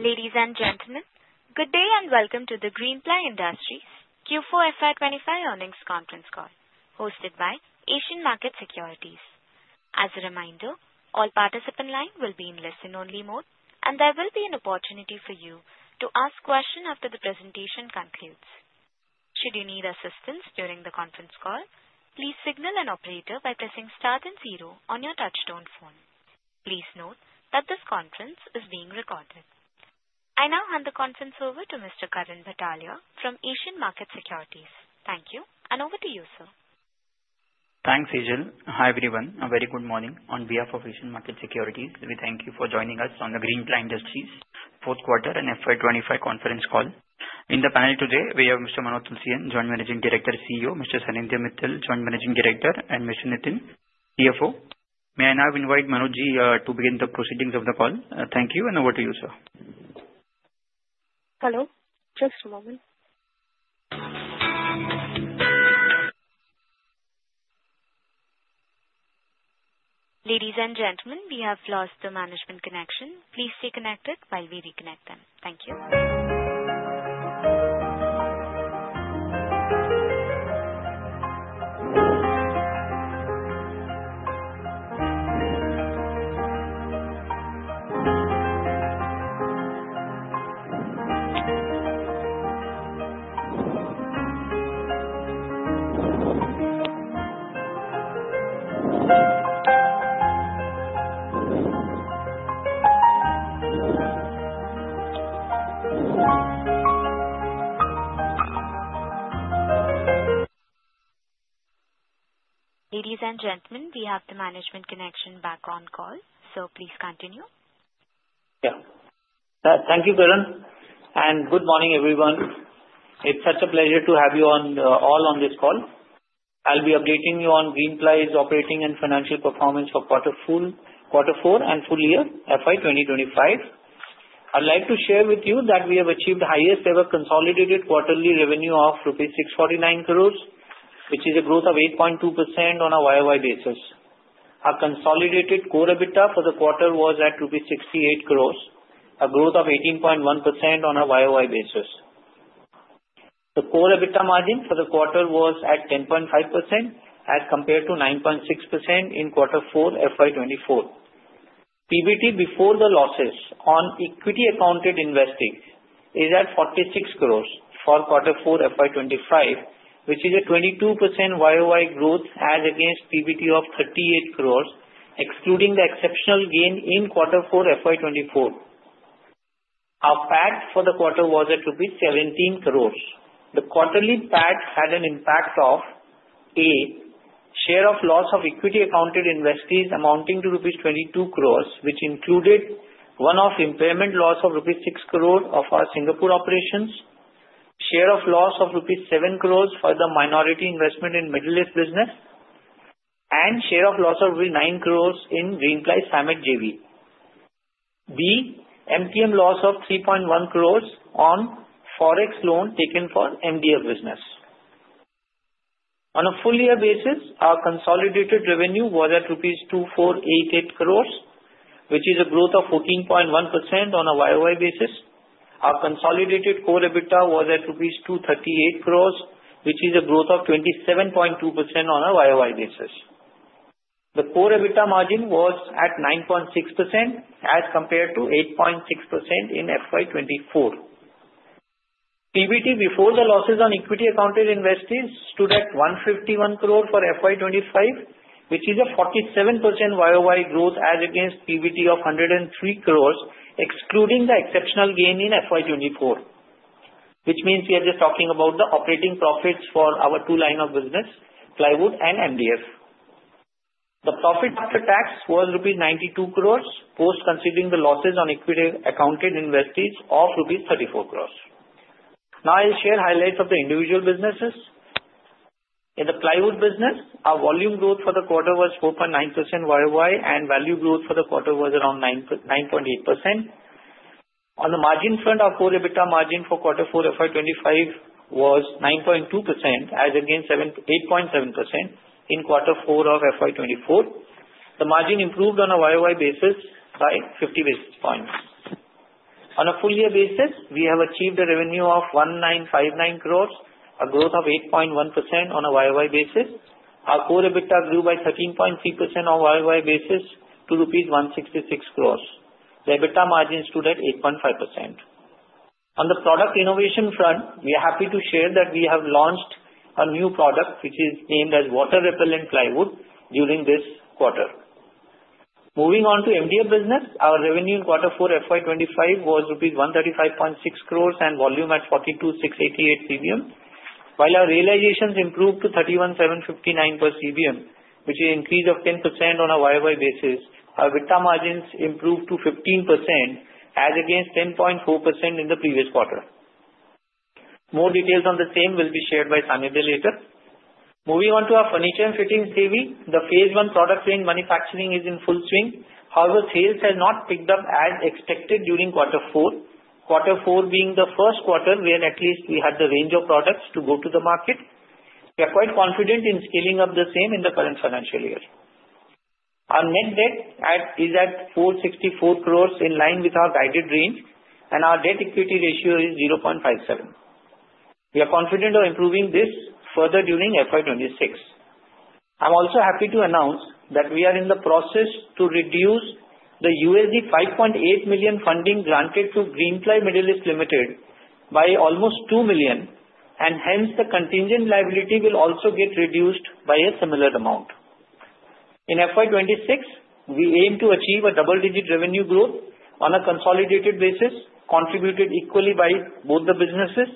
Ladies and gentlemen, good day and welcome to the Greenply Industries Q4FY25 earnings conference call, hosted by Asian Market Securities. As a reminder, all participant lines will be in listen-only mode, and there will be an opportunity for you to ask questions after the presentation concludes. Should you need assistance during the conference call, please signal an operator by pressing star and zero on your touchtone phone. Please note that this conference is being recorded. I now hand the conference over to Mr. Karan Bhatelia from Asian Market Securities. Thank you, and over to you, sir. Thanks, Sejal. Hi everyone, a very good morning. On behalf of Asian Market Securities, we thank you for joining us on the Greenply Industries fourth quarter and FY25 conference call. In the panel today, we have Mr. Manoj Tulsian, Joint Managing Director and CEO, Mr. Sanidhya Mittal, Joint Managing Director, and Mr. Nitin Kalani, CFO. May I now invite Manoj to begin the proceedings of the call? Thank you, and over to you, sir. Hello, just a moment. Ladies and gentlemen, we have lost the management connection. Please stay connected while we reconnect them. Thank you. Ladies and gentlemen, we have the management connection back on call, so please continue. Yeah. Thank you, Karan, and good morning, everyone. It's such a pleasure to have you all on this call. I'll be updating you on Greenply's operating and financial performance for quarter four and full year, FY2025. I'd like to share with you that we have achieved the highest-ever consolidated quarterly revenue of ₹ 649 crores, which is a growth of 8.2% on a YOY basis. Our consolidated core EBITDA for the quarter was at ₹ 68 crores, a growth of 18.1% on a YOY basis. The core EBITDA margin for the quarter was at 10.5% as compared to 9.6% in quarter four, FY24. PBT before the losses on equity-accounted investees is at ₹ 46 crores for quarter four, FY25, which is a 22% YOY growth as against PBT of ₹ 38 crores, excluding the exceptional gain in quarter four, FY24. Our PAT for the quarter was at ₹ 17 crores. The quarterly PAT had an impact of A, share of loss of equity-accounted investees amounting to rupees 22 crores, which included one-off impairment loss of rupees 6 crore of our Singapore operations, share of loss of rupees 7 crores for the minority investment in Middle East business, and share of loss of rupees 9 crores in Greenply Samet JV. B, MTM loss of 3.1 crores on forex loan taken for MDF business. On a full-year basis, our consolidated revenue was at rupees 2488 crores, which is a growth of 14.1% on a YOY basis. Our consolidated core EBITDA was at rupees 238 crores, which is a growth of 27.2% on a YOY basis. The core EBITDA margin was at 9.6% as compared to 8.6% in FY24. PBT before the losses on equity-accounted investors stood at 151 crore for FY25, which is a 47% YOY growth as against PBT of 103 crores, excluding the exceptional gain in FY24, which means we are just talking about the operating profits for our two lines of business, plywood and MDF. The profit after tax was rupees 92 crores post-considering the losses on equity-accounted investors of rupees 34 crores. Now, I'll share highlights of the individual businesses. In the plywood business, our volume growth for the quarter was 4.9% YOY, and value growth for the quarter was around 9.8%. On the margin front, our core EBITDA margin for quarter four, FY25, was 9.2% as against 8.7% in quarter four of FY24. The margin improved on a YOY basis by 50 basis points. On a full-year basis, we have achieved a revenue of 1,959 crores, a growth of 8.1% on a YOY basis. Our core EBITDA grew by 13.3% on a YOY basis to ₹166 crores. The EBITDA margin stood at 8.5%. On the product innovation front, we are happy to share that we have launched a new product, which is named as Water Repellent Plywood during this quarter. Moving on to MDF business, our revenue in quarter four, FY25, was ₹135.6 crores and volume at 42,688 CBM. While our realizations improved to 31,759 per CBM, which is an increase of 10% on a YOY basis, our EBITDA margins improved to 15% as against 10.4% in the previous quarter. More details on the same will be shared by Sanidhya later. Moving on to our furniture and fittings JV, the phase one product range manufacturing is in full swing. However, sales have not picked up as expected during quarter four, quarter four being the first quarter where at least we had the range of products to go to the market. We are quite confident in scaling up the same in the current financial year. Our net debt is at ₹464 crores in line with our guided range, and our debt-equity ratio is 0.57. We are confident of improving this further during FY26. I'm also happy to announce that we are in the process to reduce the $5.8 million funding granted to Greenply Middle East Limited by almost ₹2 million, and hence the contingent liability will also get reduced by a similar amount. In FY26, we aim to achieve a double-digit revenue growth on a consolidated basis, contributed equally by both the businesses,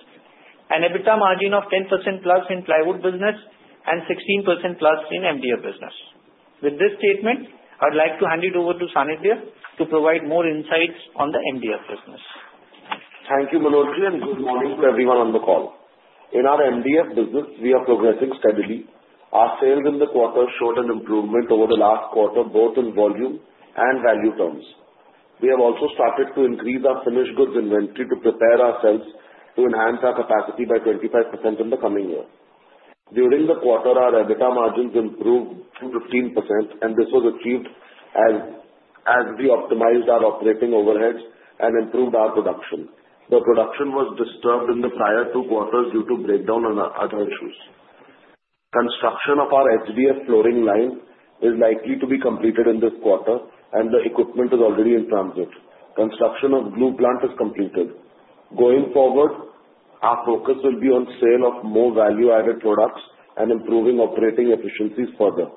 an EBITDA margin of 10% plus in plywood business and 16% plus in MDF business. With this statement, I'd like to hand it over to Sanidhya to provide more insights on the MDF business. Thank you, Manoj, and good morning to everyone on the call. In our MDF business, we are progressing steadily. Our sales in the quarter showed an improvement over the last quarter, both in volume and value terms. We have also started to increase our finished goods inventory to prepare ourselves to enhance our capacity by 25% in the coming year. During the quarter, our EBITDA margins improved to 15%, and this was achieved as we optimized our operating overheads and improved our production. The production was disturbed in the prior two quarters due to breakdown and other issues. Construction of our HDF flooring line is likely to be completed in this quarter, and the equipment is already in transit. Construction of glue plant is completed. Going forward, our focus will be on sale of more value-added products and improving operating efficiencies further.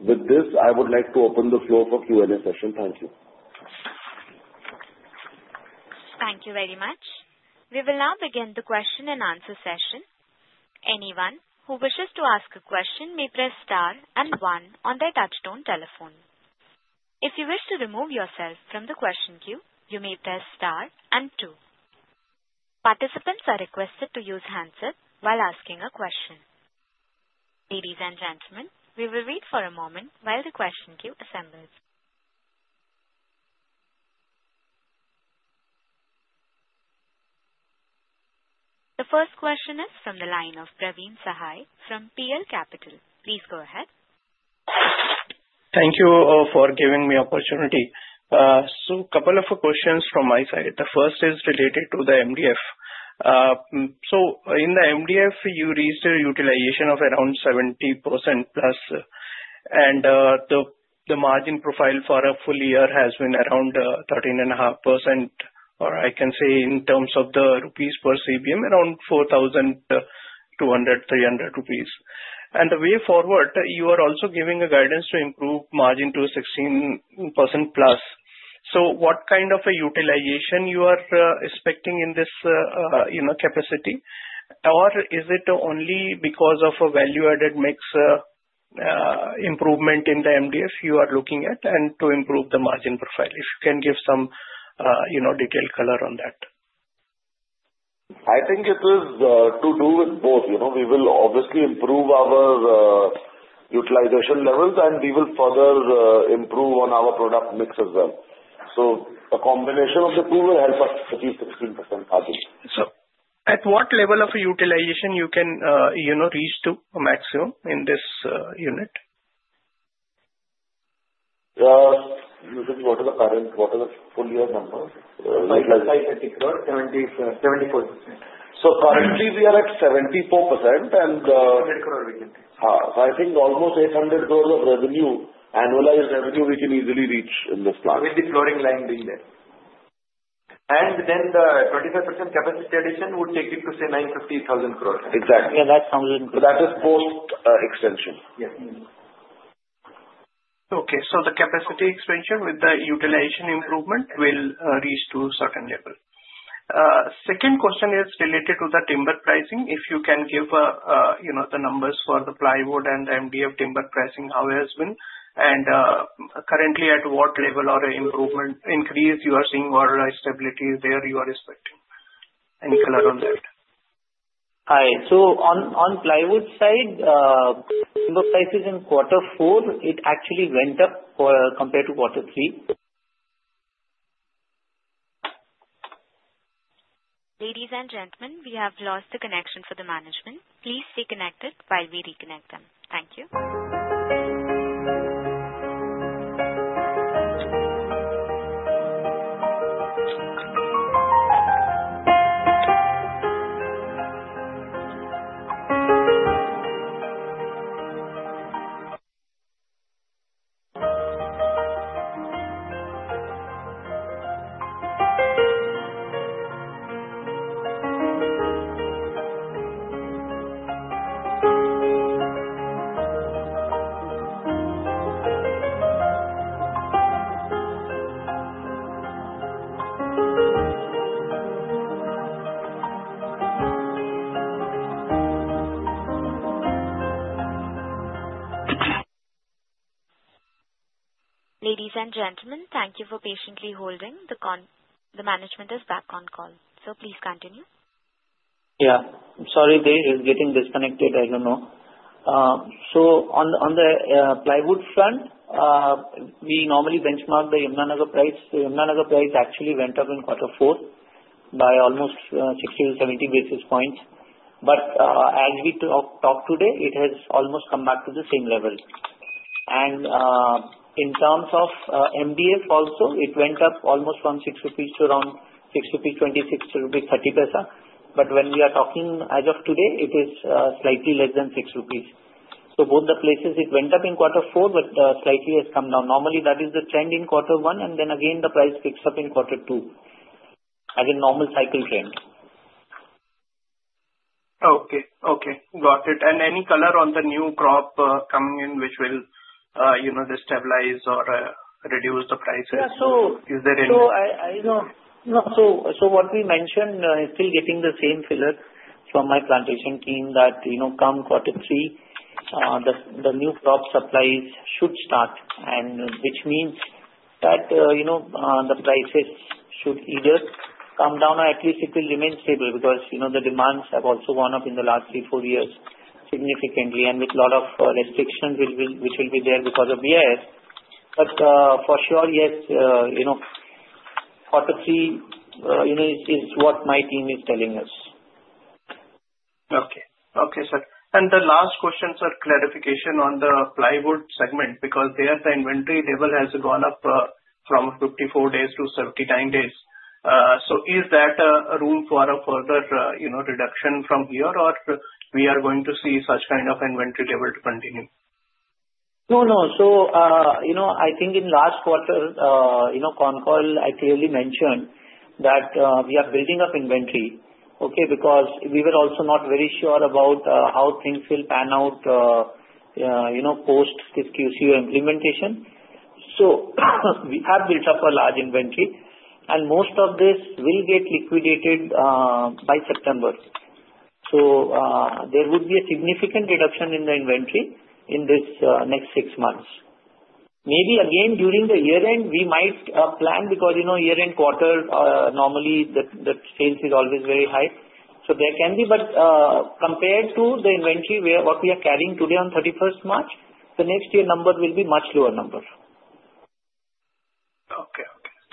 With this, I would like to open the floor for Q&A session. Thank you. Thank you very much. We will now begin the question and answer session. Anyone who wishes to ask a question may press star and one on their touch-tone telephone. If you wish to remove yourself from the question queue, you may press star and two. Participants are requested to use the handset while asking a question. Ladies and gentlemen, we will wait for a moment while the question queue assembles. The first question is from the line of Praveen Sahay from PL Capital. Please go ahead. Thank you for giving me the opportunity. So, a couple of questions from my side. The first is related to the MDF. So, in the MDF, you reached a utilization of around 70% plus, and the margin profile for a full year has been around 13.5%, or I can say in terms of the rupees per CBM, around 4,200 rupees, 300 rupees. And the way forward, you are also giving guidance to improve margin to 16% plus. So, what kind of a utilization you are expecting in this capacity, or is it only because of a value-added mix improvement in the MDF you are looking at and to improve the margin profile? If you can give some detailed color on that. I think it is to do with both. We will obviously improve our utilization levels, and we will further improve on our product mix as well. So, a combination of the two will help us achieve 16% margin. So, at what level of utilization you can reach to a maximum in this unit? What are the current, what are the full-year numbers? 74%. So, currently, we are at 74%, and. 800 crore we can reach. Ha. So, I think almost 800 crores of revenue, annualized revenue, we can easily reach in this plant. With the flooring line being there and then the 25% capacity addition would take it to, say, 950,000 crore. Exactly. Yeah, that sounds good. That is post-extension. Yes. Okay. So, the capacity expansion with the utilization improvement will reach to a certain level. Second question is related to the timber pricing. If you can give the numbers for the plywood and MDF timber pricing, how has it been, and currently, at what level or improvement increase you are seeing or stability there you are expecting? Any color on that? Hi. So, on plywood side, timber prices in quarter four, it actually went up compared to quarter three. Ladies and gentlemen, we have lost the connection for the management. Please stay connected while we reconnect them. Thank you. Ladies and gentlemen, thank you for patiently holding. The management is back on call. So, please continue. Yeah. Sorry, they are getting disconnected. I don't know. So, on the plywood front, we normally benchmark the Yamunanagar price. The Yamunanagar price actually went up in quarter four by almost 60 to 70 basis points. But as we talked today, it has almost come back to the same level. And in terms of MDF also, it went up almost from 6 rupees to around 6.26 rupees, 30. But when we are talking as of today, it is slightly less than 6 rupees. So, both the places, it went up in quarter four, but slightly has come down. Normally, that is the trend in quarter one, and then again, the price picks up in quarter two as a normal cycle trend. Okay. Okay. Got it. And any color on the new crop coming in, which will destabilize or reduce the prices? Is there any? I know. What we mentioned, still getting the same feedback from my plantation team that come quarter three, the new crop supplies should start, which means that the prices should either come down or at least it will remain stable because the demands have also gone up in the last three, four years significantly, and with a lot of restrictions which will be there because of BIS. But for sure, yes, quarter three is what my team is telling us. Okay, sir. And the last question, sir, clarification on the plywood segment because there the inventory level has gone up from 54 days to 79 days. So, is that a room for a further reduction from here, or we are going to see such kind of inventory level to continue? No, no. So, I think in last quarter, Concall, I clearly mentioned that we are building up inventory, okay, because we were also not very sure about how things will pan out post-QC implementation. So, we have built up a large inventory, and most of this will get liquidated by September. So, there would be a significant reduction in the inventory in these next six months. Maybe again during the year-end, we might plan because year-end quarter, normally the sales is always very high. So, there can be. But compared to the inventory what we are carrying today on 31st March, the next year number will be a much lower number. Okay. Okay.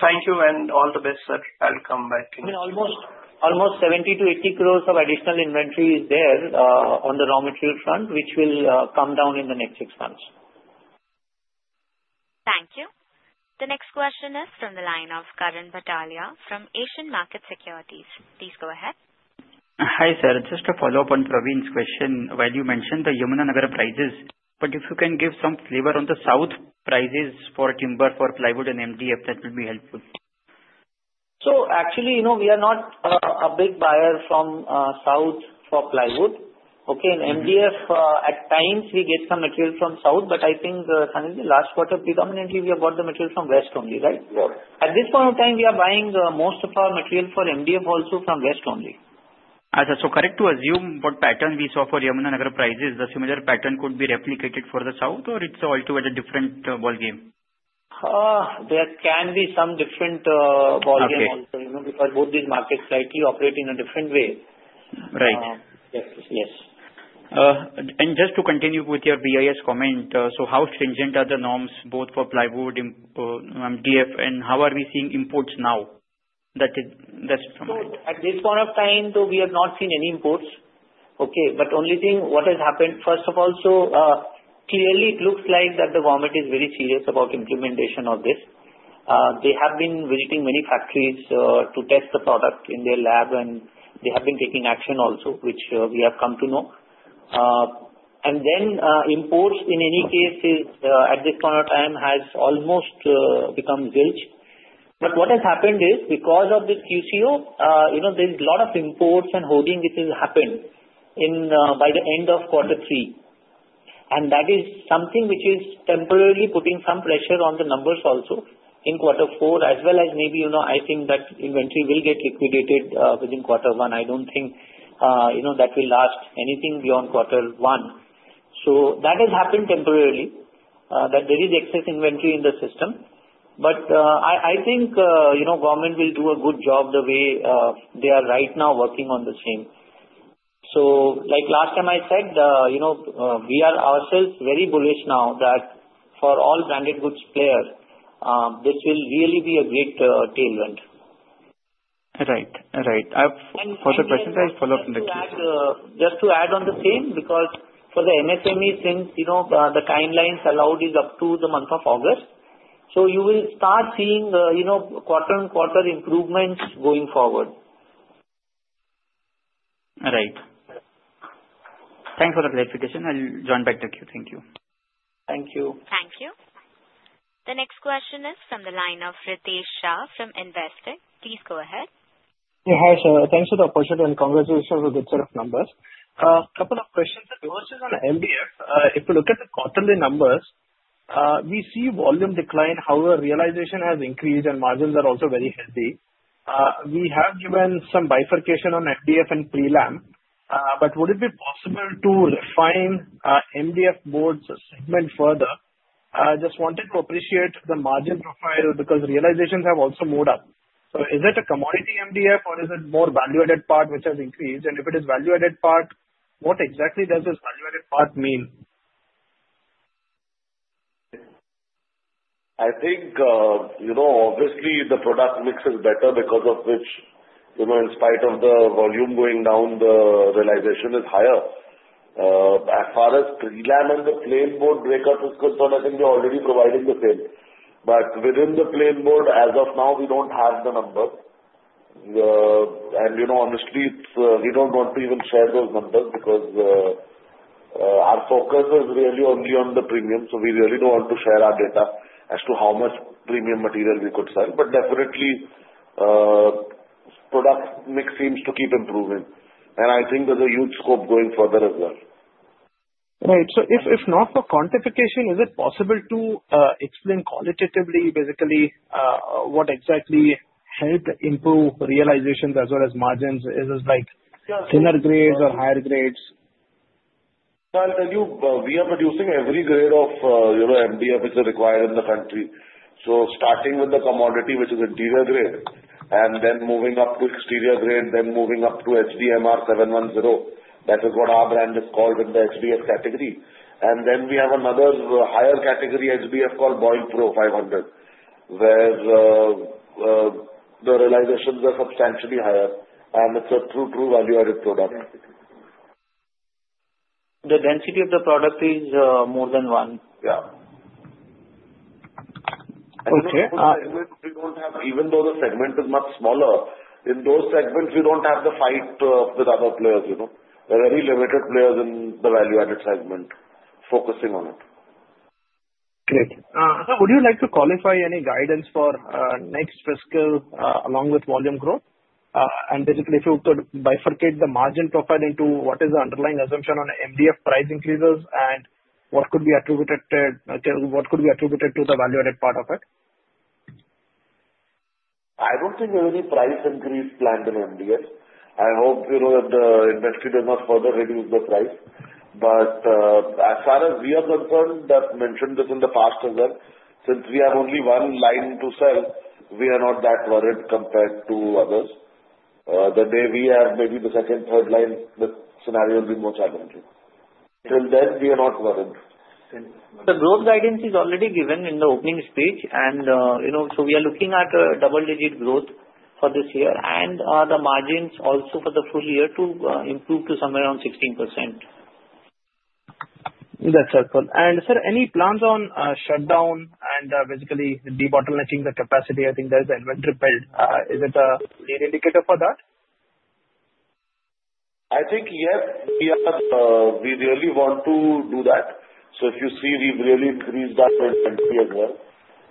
Thank you, and all the best, sir. I'll come back. I mean, almost 70-80 crore of additional inventory is there on the raw material front, which will come down in the next six months. Thank you. The next question is from the line of Karan Bhatelia from Asian Market Securities. Please go ahead. Hi, sir. Just a follow-up on Praveen's question. While you mentioned the Yamunanagar prices, but if you can give some flavor on the south prices for timber for plywood and MDF, that will be helpful. So, actually, we are not a big buyer from South for plywood. Okay. In MDF, at times, we get some material from South, but I think last quarter, predominantly, we have bought the material from West only, right? Yes. At this point in time, we are buying most of our material for MDF also from West only. Is it correct to assume the pattern we saw for Yamunanagar prices, the similar pattern could be replicated for the South, or is it altogether a different ball game? There can be some different ball game also because both these markets slightly operate in a different way. Right. Yes. And just to continue with your BIS comment, so how stringent are the norms both for plywood, MDF, and how are we seeing imports now? That's from. At this point of time, we have not seen any imports. Okay. Only thing what has happened, first of all, so clearly, it looks like that the government is very serious about implementation of this. They have been visiting many factories to test the product in their lab, and they have been taking action also, which we have come to know. Then imports, in any case, at this point of time, has almost become zilch. What has happened is, because of this QCO, there is a lot of imports and holding which has happened by the end of quarter three. That is something which is temporarily putting some pressure on the numbers also in quarter four, as well as maybe I think that inventory will get liquidated within quarter one. I don't think that will last anything beyond quarter one. So that has happened temporarily, that there is excess inventory in the system. But I think government will do a good job the way they are right now working on the same. So, like last time I said, we are ourselves very bullish now that for all branded goods players, this will really be a great tailwind. Right. Right. For the questions, I'll follow up in the Q&A. And just to add on the same, because for the MSME, since the timelines allowed is up to the month of August, so you will start seeing quarter-on-quarter improvements going forward. Right. Thanks for the clarification. I'll join back the Q. Thank you. Thank you. Thank you. The next question is from the line of Ritesh Shah from Investec. Please go ahead. Yeah, hi, sir. Thanks for the opportunity and congratulations on the good set of numbers. A couple of questions. Versus on MDF, if you look at the quarterly numbers, we see volume decline. However, realization has increased, and margins are also very healthy. We have given some bifurcation on MDF and pre-lam. But would it be possible to refine MDF boards segment further? Just wanted to appreciate the margin profile because realizations have also moved up. So, is it a commodity MDF, or is it more value-added part which has increased? And if it is value-added part, what exactly does this value-added part mean? I think, obviously, the product mix is better because of which, in spite of the volume going down, the realization is higher. As far as pre-lam and the plain board breakout is concerned, I think we are already providing the same, but within the plain board, as of now, we don't have the numbers. And honestly, we don't want to even share those numbers because our focus is really only on the premium, so we really don't want to share our data as to how much premium material we could sell, but definitely, product mix seems to keep improving, and I think there's a huge scope going further as well. Right. So, if not for quantification, is it possible to explain qualitatively, basically, what exactly helped improve realizations as well as margins? Is it like thinner grades or higher grades? We are producing every grade of MDF which is required in the country. So, starting with the commodity which is interior grade, and then moving up to exterior grade, then moving up to HDHMR 710. That is what our brand is called in the HDF category. And then we have another higher category HDF called BoilPro 500, where the realizations are substantially higher. And it's a true, true value-added product. The density of the product is more than one. Yeah. Okay. Even though the segment is much smaller, in those segments, we don't have the fight with other players. There are very limited players in the value-added segment focusing on it. Great. Sir, would you like to qualify any guidance for next fiscal along with volume growth? And basically, if you could bifurcate the margin profile into what is the underlying assumption on MDF price increases and what could be attributed to the value-added part of it? I don't think there's any price increase planned in MDF. I hope that the industry does not further reduce the price. But as far as we are concerned, that mentioned this in the past as well. Since we have only one line to sell, we are not that worried compared to others. The day we have maybe the second, third line, the scenario will be more challenging. Till then, we are not worried. The growth guidance is already given in the opening speech. And so, we are looking at a double-digit growth for this year and the margins also for the full year to improve to somewhere around 16%. That's helpful. And sir, any plans on shutdown and basically de-bottlenecking the capacity? I think there is an inventory build. Is it a clear indicator for that? I think, yes, we really want to do that. So, if you see, we've really increased that inventory as well.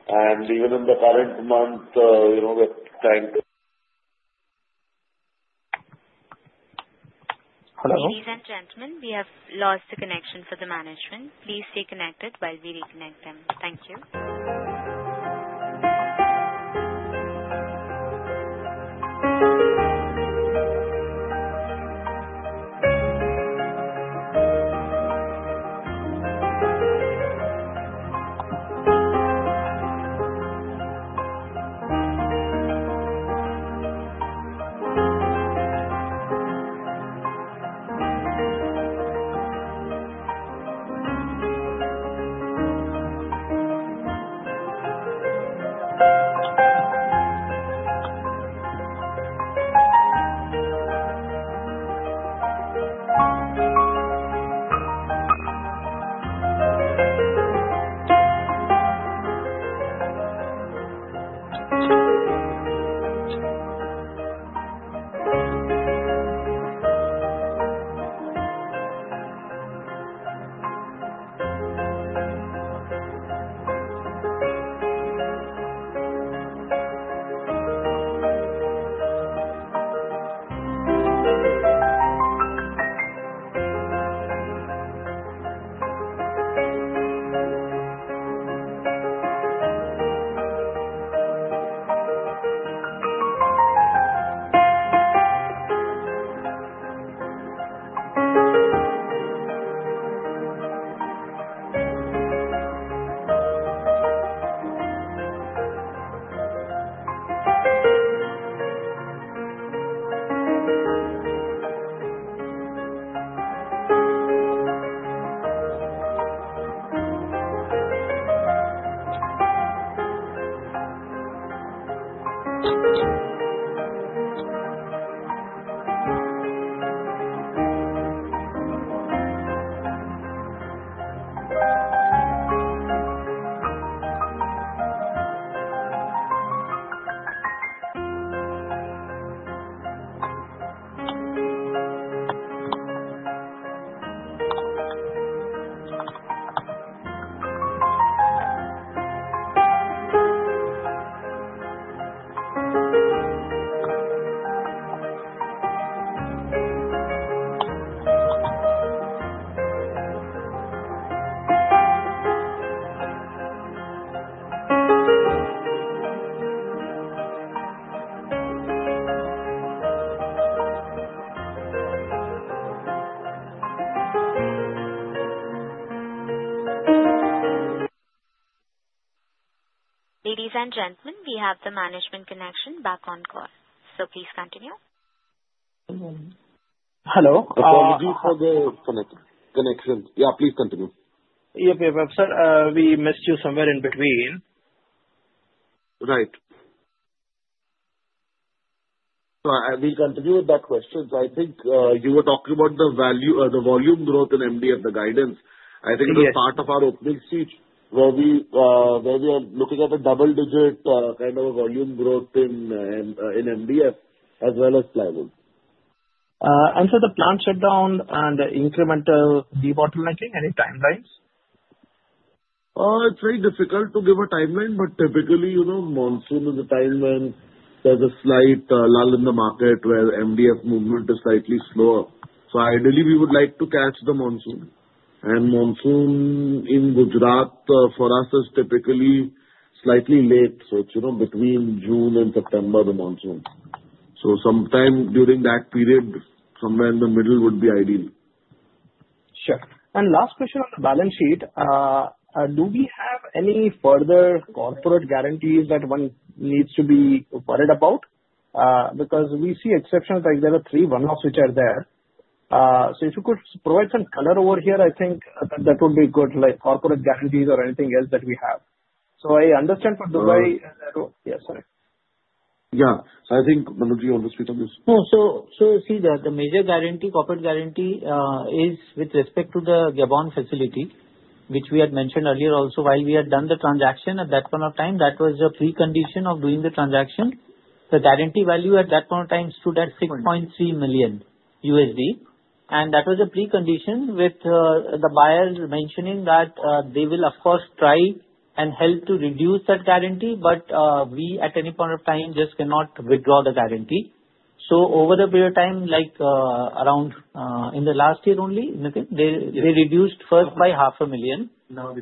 And even in the current month, we're trying to. Hello. Ladies and gentlemen, we have lost the connection for the management. Please stay connected while we reconnect them. Thank you. Ladies and gentlemen, we have the management connection back on call. So, please continue. Hello. Apology for the connection. Yeah, please continue. Yeah, sir. We missed you somewhere in between. Right. I will continue with that question. I think you were talking about the volume growth in MDF, the guidance. I think it was part of our opening speech where we are looking at a double-digit kind of a volume growth in MDF as well as plywood. And sir, the plant shutdown and the incremental de-bottlenecking, any timelines? It's very difficult to give a timeline, but typically, monsoon is a time when there's a slight lull in the market where MDF movement is slightly slower. So, ideally, we would like to catch the monsoon. And monsoon in Gujarat for us is typically slightly late. So, between June and September, the monsoon. So, sometime during that period, somewhere in the middle would be ideal. Sure. And last question on the balance sheet. Do we have any further corporate guarantees that one needs to be worried about? Because we see exceptions like there are three, one of which are there. So, if you could provide some color over here, I think that would be good, like corporate guarantees or anything else that we have. So, I understand for Dubai and that. Yeah. Yeah. Yeah, so I think Manoj, you want to speak on this? No. So, see, the major guarantee, corporate guarantee, is with respect to the Gabon facility, which we had mentioned earlier also. While we had done the transaction at that point of time, that was a precondition of doing the transaction. The guarantee value at that point of time stood at $6.3 million. And that was a precondition with the buyers mentioning that they will, of course, try and help to reduce that guarantee, but we, at any point of time, just cannot withdraw the guarantee. Over the period of time, like around in the last year only, they reduced first by $500,000.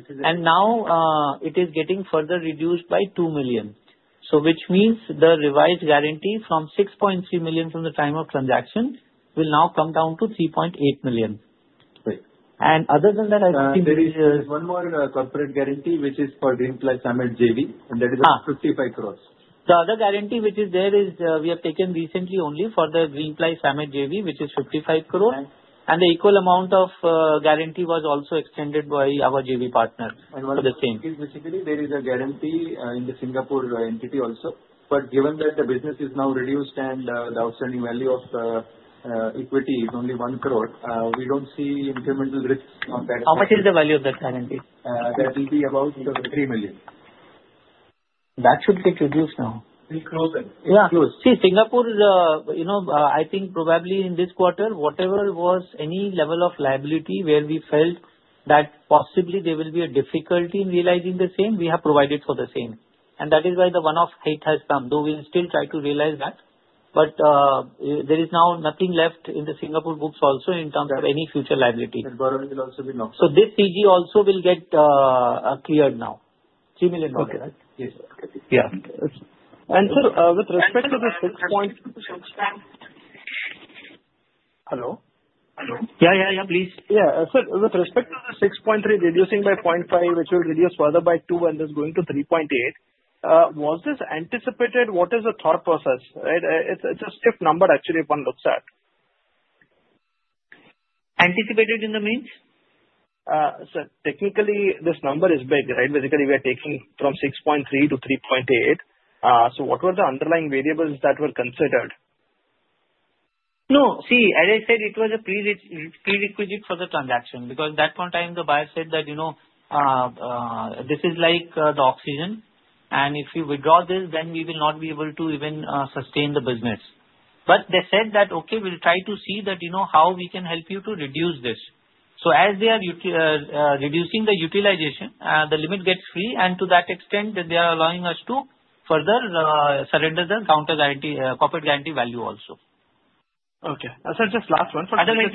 And now it is getting further reduced by $2 million, which means the revised guarantee from $6.3 million from the time of transaction will now come down to $3.8 million. And other than that, I think. There is one more corporate guarantee, which is for Greenply Samet JV, and that is 55 crores. The other guarantee which is there is we have taken recently only for the Greenply Samet JV, which is 55 crores. And the equal amount of guarantee was also extended by our JV partner for the same. Basically, there is a guarantee in the Singapore entity also. But given that the business is now reduced and the outstanding value of equity is only 1 crore, we don't see incremental risks on that. How much is the value of that guarantee? That will be about three million. That should get reduced now. It's closing. Yeah. See, Singapore is, I think, probably in this quarter, whatever was any level of liability where we felt that possibly there will be a difficulty in realizing the same, we have provided for the same. And that is why the one-off hit has come. Though we will still try to realize that. But there is now nothing left in the Singapore books also in terms of any future liability. Borrowing will also be locked. So, this CG also will get cleared now. $3 million, right? Yes. Yeah, and sir, with respect to the 6.3. Hello? Hello? Yeah, yeah, yeah, please. Yeah. Sir, with respect to the 6.3 reducing by 0.5, which will reduce further by 2 and is going to 3.8, was this anticipated? What is the thought process? Right? It's a stiff number, actually, if one looks at. Anticipated in the means? Sir, technically, this number is big, right? Basically, we are taking from 6.3 to 3.8. So, what were the underlying variables that were considered? No. See, as I said, it was a prerequisite for the transaction because at that point of time, the buyer said that this is like the oxygen. And if you withdraw this, then we will not be able to even sustain the business. But they said that, "Okay, we'll try to see how we can help you to reduce this." So, as they are reducing the utilization, the limit gets free. And to that extent, they are allowing us to further surrender the corporate guarantee value also. Okay. Sir, just last one for the. Otherwise,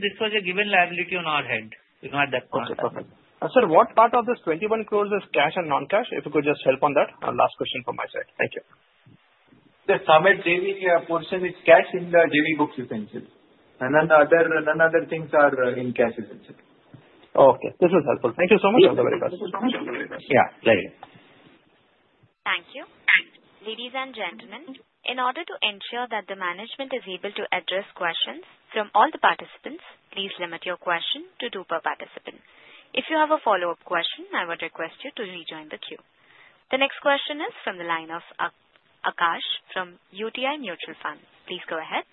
this was a given liability on our head at that point. Okay. Perfect. Sir, what part of this 21 crores is cash and non-cash? If you could just help on that. Last question from my side. Thank you. The Samet JV portion is cash in the JV books, you can say, and none other things are in cash, you can say. Okay. This was helpful. Thank you so much for the very question. Thank you so much for the very question. Yeah. Pleasure. Thank you. Ladies and gentlemen, in order to ensure that the management is able to address questions from all the participants, please limit your question to two per participant. If you have a follow-up question, I would request you to rejoin the queue. The next question is from the line of Akash from UTI Mutual Fund. Please go ahead.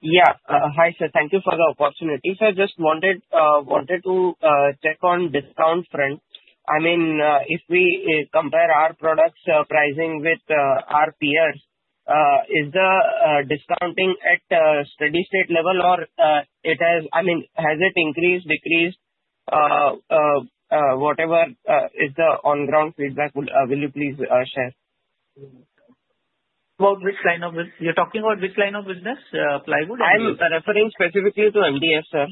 Yeah. Hi, sir. Thank you for the opportunity. Sir, I just wanted to check on discount front. I mean, if we compare our product's pricing with our peers, is the discounting at steady-state level or it has I mean, has it increased, decreased, whatever is the on-ground feedback? Will you please share? Which line of business? You're talking about which line of business? Plywood? I'm referring specifically to MDF, sir.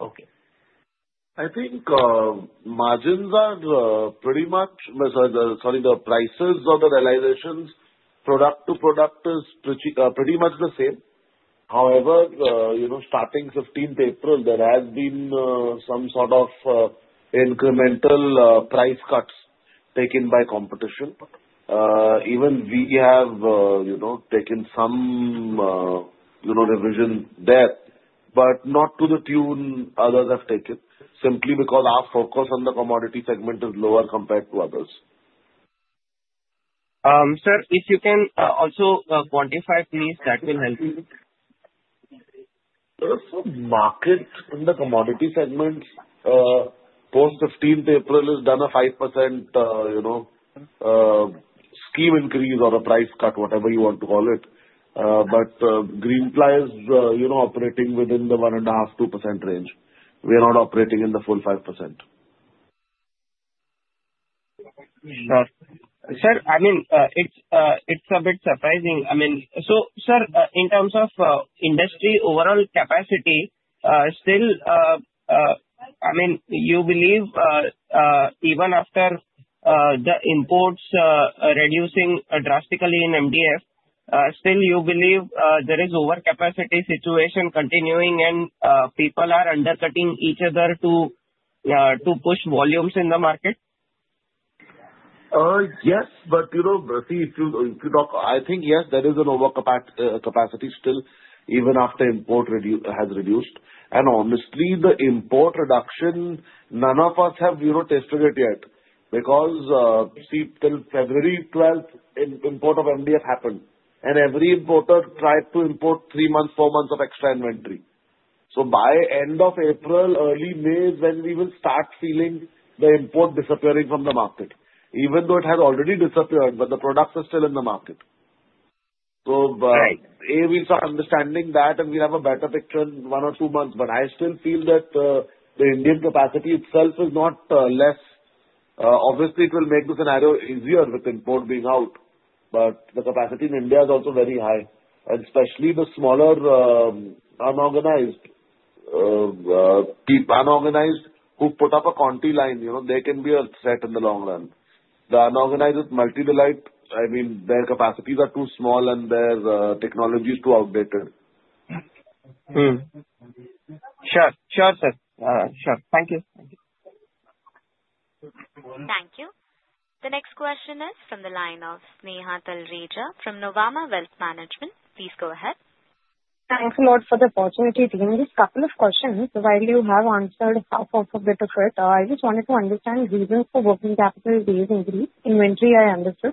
Okay. I think the prices of the realizations, product to product, are pretty much the same. However, starting 15th April, there has been some sort of incremental price cuts taken by competition. Even we have taken some revision there, but not to the tune others have taken, simply because our focus on the commodity segment is lower compared to others. Sir, if you can also quantify, please, that will help me. Sir, for markets in the commodity segment, post 15th April, it's done a 5% scheme increase or a price cut, whatever you want to call it. But Greenply is operating within the 1.5%-2% range. We are not operating in the full 5%. Sir, I mean, it's a bit surprising. I mean, so, sir, in terms of industry overall capacity, still, I mean, you believe even after the imports reducing drastically in MDF, still, you believe there is overcapacity situation continuing and people are undercutting each other to push volumes in the market? Yes. But see, if you talk, I think, yes, there is an overcapacity still, even after import has reduced. And honestly, the import reduction, none of us have tested it yet. Because see, till February 12th, import of MDF happened. And every importer tried to import three months, four months of extra inventory. So, by end of April, early May is when we will start feeling the import disappearing from the market, even though it has already disappeared, but the products are still in the market. So, A, we'll start understanding that, and we'll have a better picture in one or two months. But I still feel that the Indian capacity itself is not less. Obviously, it will make the scenario easier with import being out. But the capacity in India is also very high, especially the smaller unorganized people, unorganized who put up a country line. They can be a threat in the long run. The unorganized with multi-ply, I mean, their capacities are too small and their technology is too outdated. Sure. Sure, sir. Sure. Thank you. Thank you. The next question is from the line of Sneha Talreja from Nuvama Wealth Management. Please go ahead. Thanks a lot for the opportunity, team. Just a couple of questions. While you have answered half of it, I just wanted to understand reasons for working capital increase. Inventory, I understood.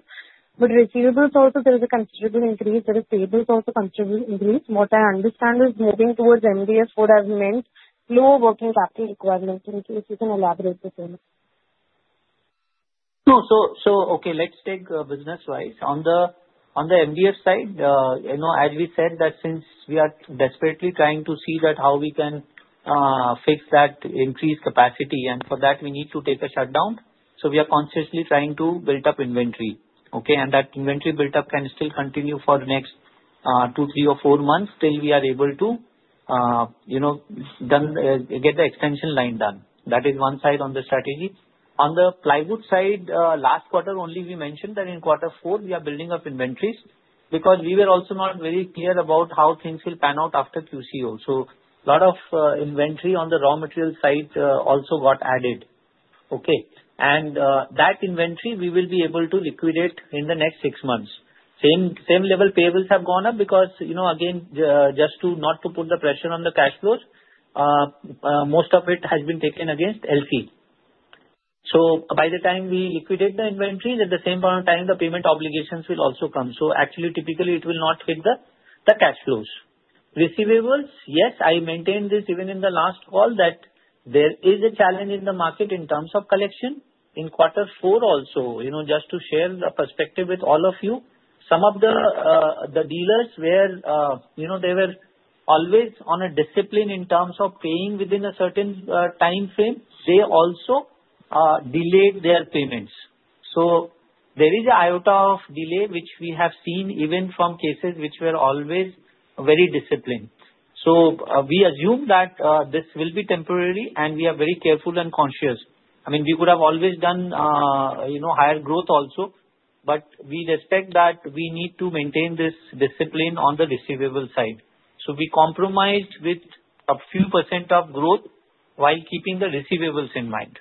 With receivables also, there is a considerable increase. There is payables also, considerable increase. What I understand is moving towards MDF would have meant lower working capital requirements. In case you can elaborate the same. No. So, okay, let's take business-wise. On the MDF side, as we said, that since we are desperately trying to see how we can fix that increased capacity, and for that, we need to take a shutdown. So, we are consciously trying to build up inventory. Okay? And that inventory build-up can still continue for the next two, three, or four months till we are able to get the extension line done. That is one side on the strategy. On the plywood side, last quarter only, we mentioned that in quarter four, we are building up inventories because we were also not very clear about how things will pan out after QCO. So, a lot of inventory on the raw material side also got added. Okay? And that inventory, we will be able to liquidate in the next six months. Same level payables have gone up because, again, just not to put the pressure on the cash flows, most of it has been taken against LC. So, by the time we liquidate the inventory, at the same point of time, the payment obligations will also come. So, actually, typically, it will not hit the cash flows. Receivables, yes, I maintained this even in the last call that there is a challenge in the market in terms of collection. In quarter four also, just to share the perspective with all of you, some of the dealers where they were always on a discipline in terms of paying within a certain time frame, they also delayed their payments. So, there is an iota of delay, which we have seen even from cases which were always very disciplined. So, we assume that this will be temporary, and we are very careful and conscious. I mean, we could have always done higher growth also, but we respect that we need to maintain this discipline on the receivable side. So, we compromised with a few percent of growth while keeping the receivables in mind.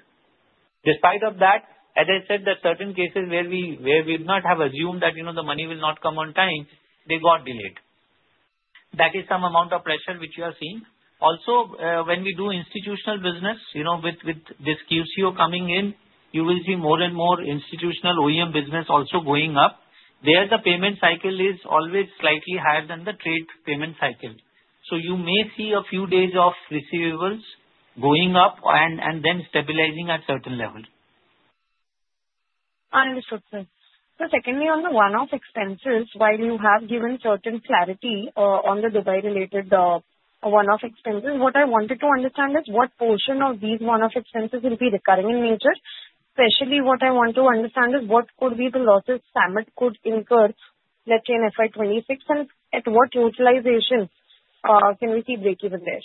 Despite of that, as I said, there are certain cases where we would not have assumed that the money will not come on time. They got delayed. That is some amount of pressure which we are seeing. Also, when we do institutional business, with this QCO coming in, you will see more and more institutional OEM business also going up. There, the payment cycle is always slightly higher than the trade payment cycle. So, you may see a few days of receivables going up and then stabilizing at certain level. Understood, sir. So, secondly, on the one-off expenses, while you have given certain clarity on the Dubai-related one-off expenses, what I wanted to understand is what portion of these one-off expenses will be recurring in nature? Especially, what I want to understand is what could be the losses Samet could incur, let's say, in FY26, and at what utilization can we see breakeven there?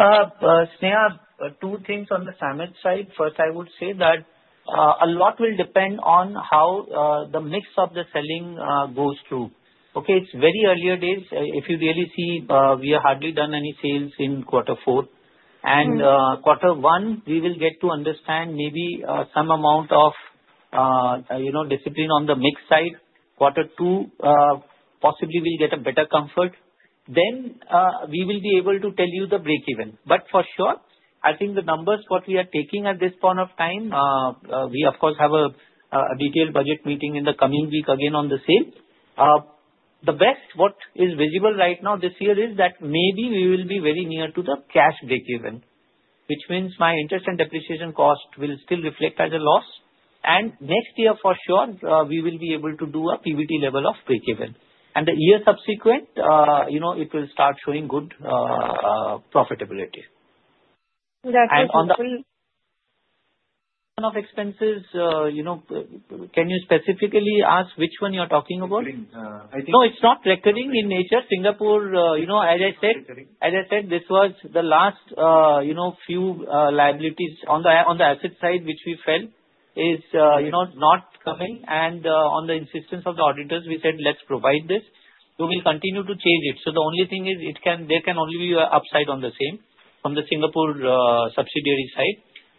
Sneha, two things on the Samet side. First, I would say that a lot will depend on how the mix of the selling goes through. Okay? It's very early days. If you really see, we have hardly done any sales in quarter four. And quarter one, we will get to understand maybe some amount of discipline on the mix side. Quarter two, possibly, we'll get a better comfort. Then, we will be able to tell you the breakeven. But for sure, I think the numbers what we are taking at this point of time, we, of course, have a detailed budget meeting in the coming week again on the same. The best what is visible right now this year is that maybe we will be very near to the cash breakeven, which means my interest and depreciation cost will still reflect as a loss. Next year, for sure, we will be able to do a PBT level of breakeven. The year subsequent, it will start showing good profitability. That's what we're hoping. On the one-off expenses, can you specifically ask which one you're talking about? Recording. No, it's not recurring in nature. Singapore, as I said, this was the last few liabilities on the asset side which we felt is not coming. And on the insistence of the auditors, we said, "Let's provide this." We will continue to chase it. So, the only thing is there can only be an upside on the same from the Singapore subsidiary side.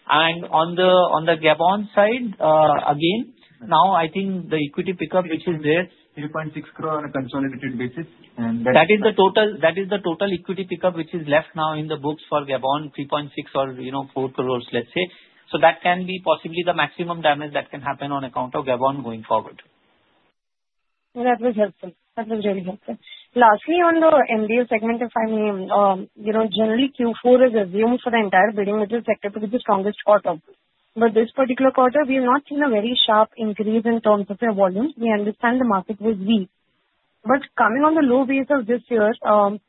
And on the Gabon side, again, now I think the equity pickup which is there. 3.6 crore on a consolidated basis. That is the total equity pickup which is left now in the books for Gabon, 3.6 or 4 crores, let's say. So, that can be possibly the maximum damage that can happen on account of Gabon going forward. That was helpful. That was really helpful. Lastly, on the MDF segment, if I may, generally, Q4 is assumed for the entire building sector to be the strongest quarter. But this particular quarter, we have not seen a very sharp increase in terms of their volumes. We understand the market was weak. But coming on the low base of this year, what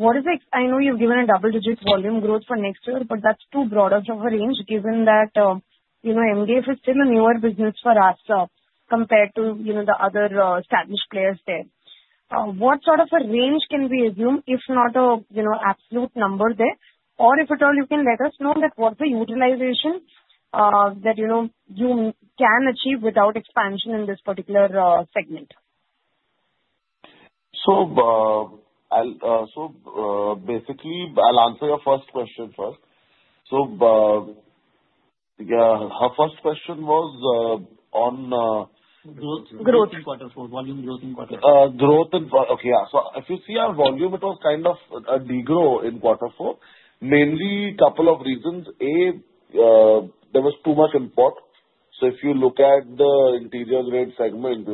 is the, I know you've given a double-digit volume growth for next year, but that's too broad of a range given that MDF is still a newer business for us compared to the other established players there. What sort of a range can we assume, if not an absolute number there? Or if at all, you can let us know what's the utilization that you can achieve without expansion in this particular segment? So, basically, I'll answer your first question first. So, yeah, her first question was on. Growth in quarter four, volume growth in quarter four. Growth in quarter. Okay. Yeah. So, if you see our volume, it was kind of a de-growth in quarter four, mainly a couple of reasons. A, there was too much import. So, if you look at the interior-grade segment,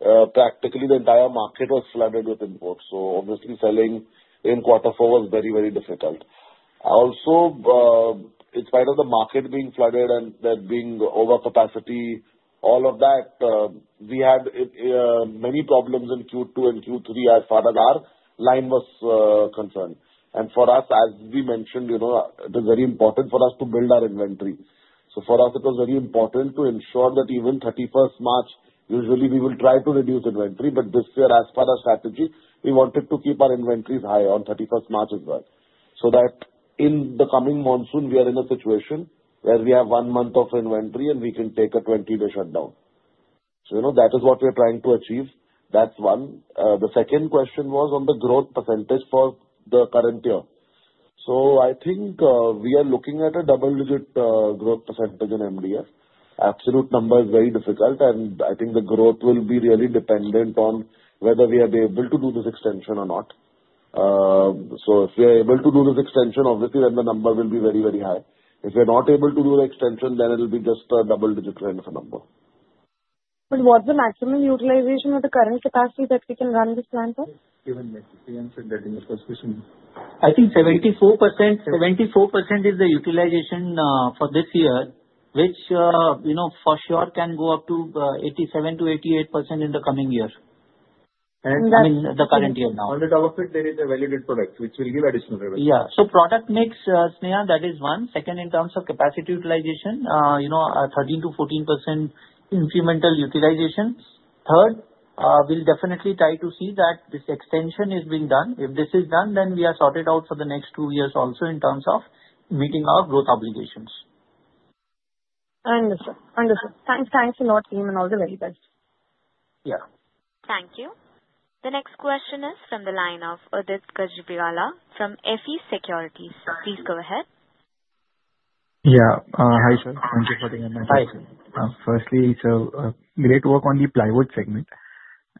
practically the entire market was flooded with imports. So, obviously, selling in quarter four was very, very difficult. Also, in spite of the market being flooded and there being overcapacity, all of that, we had many problems in Q2 and Q3 as far as our line was concerned. And for us, as we mentioned, it was very important for us to build our inventory. So, for us, it was very important to ensure that even 31st March, usually, we will try to reduce inventory. But this year, as per our strategy, we wanted to keep our inventories high on 31st March as well. So that in the coming monsoon, we are in a situation where we have one month of inventory and we can take a 20-day shutdown. So, that is what we are trying to achieve. That's one. The second question was on the growth percentage for the current year. So, I think we are looking at a double-digit growth percentage in MDF. Absolute number is very difficult. And I think the growth will be really dependent on whether we are able to do this extension or not. So, if we are able to do this extension, obviously, then the number will be very, very high. If we are not able to do the extension, then it will be just a double-digit range of a number. But what's the maximum utilization of the current capacity that we can run this plant for? Given the experience and getting the first question. I think 74% is the utilization for this year, which for sure can go up to 87%-88% in the coming year. I mean, the current year now. On the top of it, there is a value-added product which will give additional revenue. Yeah. So, product mix, Sneha, that is one. Second, in terms of capacity utilization, 13%-14% incremental utilization. Third, we'll definitely try to see that this extension is being done. If this is done, then we are sorted out for the next two years also in terms of meeting our growth obligations. Understood. Understood. Thanks a lot, team, and all the very best. Yeah. Thank you. The next question is from the line of Udit Gajiwala from YES Securities. Please go ahead. Yeah. Hi, sir. Thank you for taking my time. Firstly, sir, great work on the plywood segment.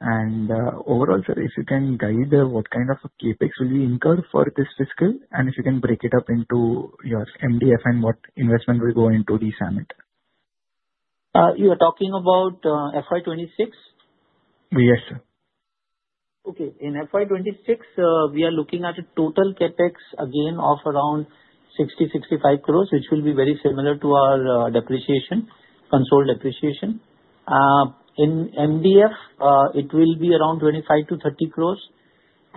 And overall, sir, if you can guide what kind of a CAPEX will we incur for this fiscal, and if you can break it up into your MDF and what investment will go into the Samet? You are talking about FY 26? Yes, sir. Okay. In FY26, we are looking at a total CAPEX, again, of around 60-65 crores, which will be very similar to our depreciation, consolidated depreciation. In MDF, it will be around 25-30 crores.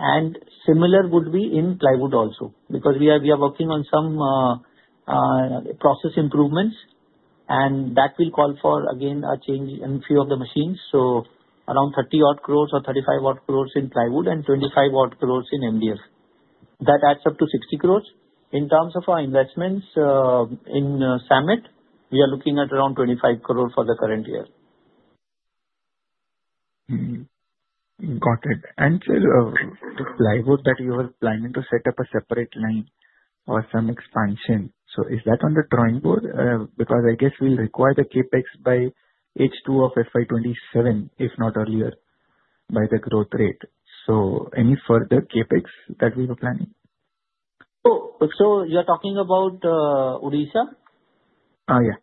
And similar would be in plywood also because we are working on some process improvements, and that will call for, again, a change in a few of the machines. So, around 30-odd crores or 35-odd crores in plywood and 25-odd crores in MDF. That adds up to 60 crores. In terms of our investments in Samet, we are looking at around 25 crores for the current year. Got it. And, sir, the plywood that you were planning to set up a separate line or some expansion, so is that on the drawing board? Because I guess we'll require the CAPEX by H2 of FY 2027, if not earlier, by the growth rate. So, any further CAPEX that we were planning? Oh, so you're talking about Odisha? Yeah.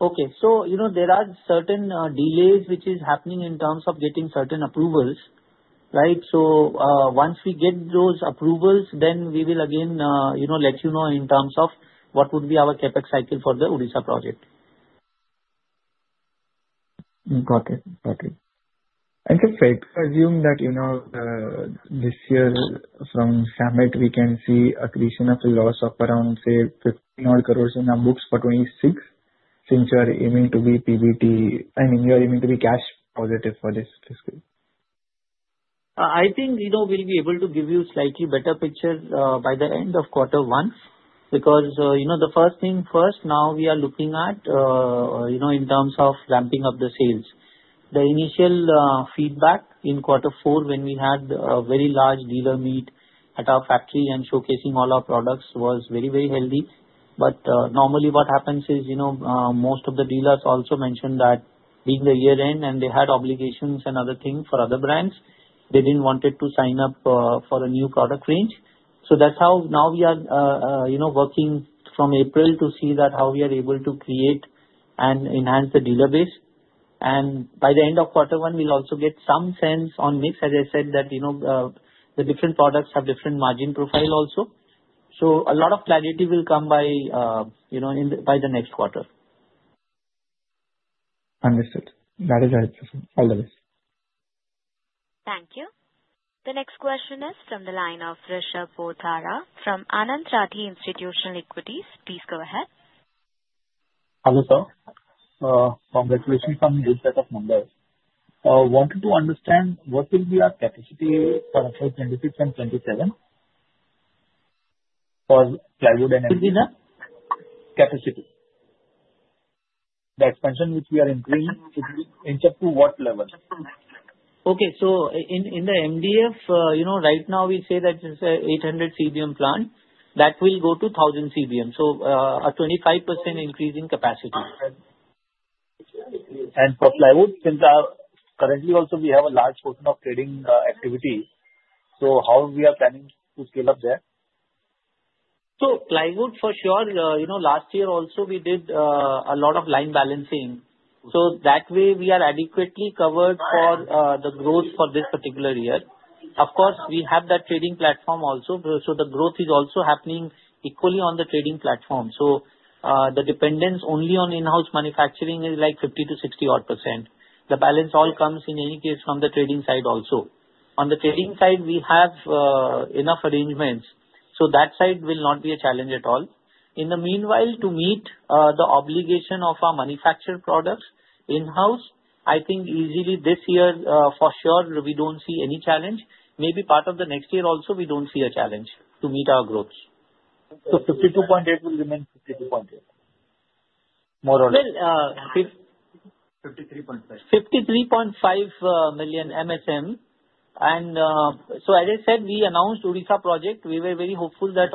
Okay. So, there are certain delays which are happening in terms of getting certain approvals, right? So, once we get those approvals, then we will again let you know in terms of what would be our CapEx cycle for the Odisha project. Got it. Got it. And, sir, if I assume that this year from Samet, we can see a creation of a loss of around, say, INR 15-odd crore in our books for 26, since you are aiming to be EBIT positive, I mean, you are aiming to be cash positive for this fiscal. I think we'll be able to give you a slightly better picture by the end of quarter one because the first thing first, now we are looking at in terms of ramping up the sales. The initial feedback in quarter four, when we had a very large dealer meet at our factory and showcasing all our products, was very, very healthy. But normally, what happens is most of the dealers also mentioned that being the year-end, and they had obligations and other things for other brands, they didn't want to sign up for a new product range. So, that's how now we are working from April to see how we are able to create and enhance the dealer base. And by the end of quarter one, we'll also get some sense on mix, as I said, that the different products have different margin profile also. A lot of clarity will come by the next quarter. Understood. That is helpful. All the best. Thank you. The next question is from the line of Rishab Bothra from Anand Rathi Institutional Equities. Please go ahead. Hello, sir. Congratulations on the set of numbers. I wanted to understand what will be our capacity for FY26 and FY27 for plywood. Will be the? Capacity. The expansion which we are increasing into what level? Okay, so in the MDF, right now, we say that it's an 800 CBM plant. That will go to 1,000 CBM, so a 25% increase in capacity. For plywood, since currently also we have a large portion of trading activity, so how are we planning to scale up there? Plywood for sure. Last year also, we did a lot of line balancing. That way, we are adequately covered for the growth for this particular year. Of course, we have that trading platform also. The growth is also happening equally on the trading platform. The dependence only on in-house manufacturing is like 50%-60%. The balance all comes, in any case, from the trading side also. On the trading side, we have enough arrangements. That side will not be a challenge at all. In the meanwhile, to meet the obligation of our manufactured products in-house, I think easily this year, for sure, we don't see any challenge. Maybe part of the next year also, we don't see a challenge to meet our growth. So, 52.8 will remain 52.8, more or less? Well. 53.5. 53.5 million MSM. And so, as I said, we announced Odisha project. We were very hopeful that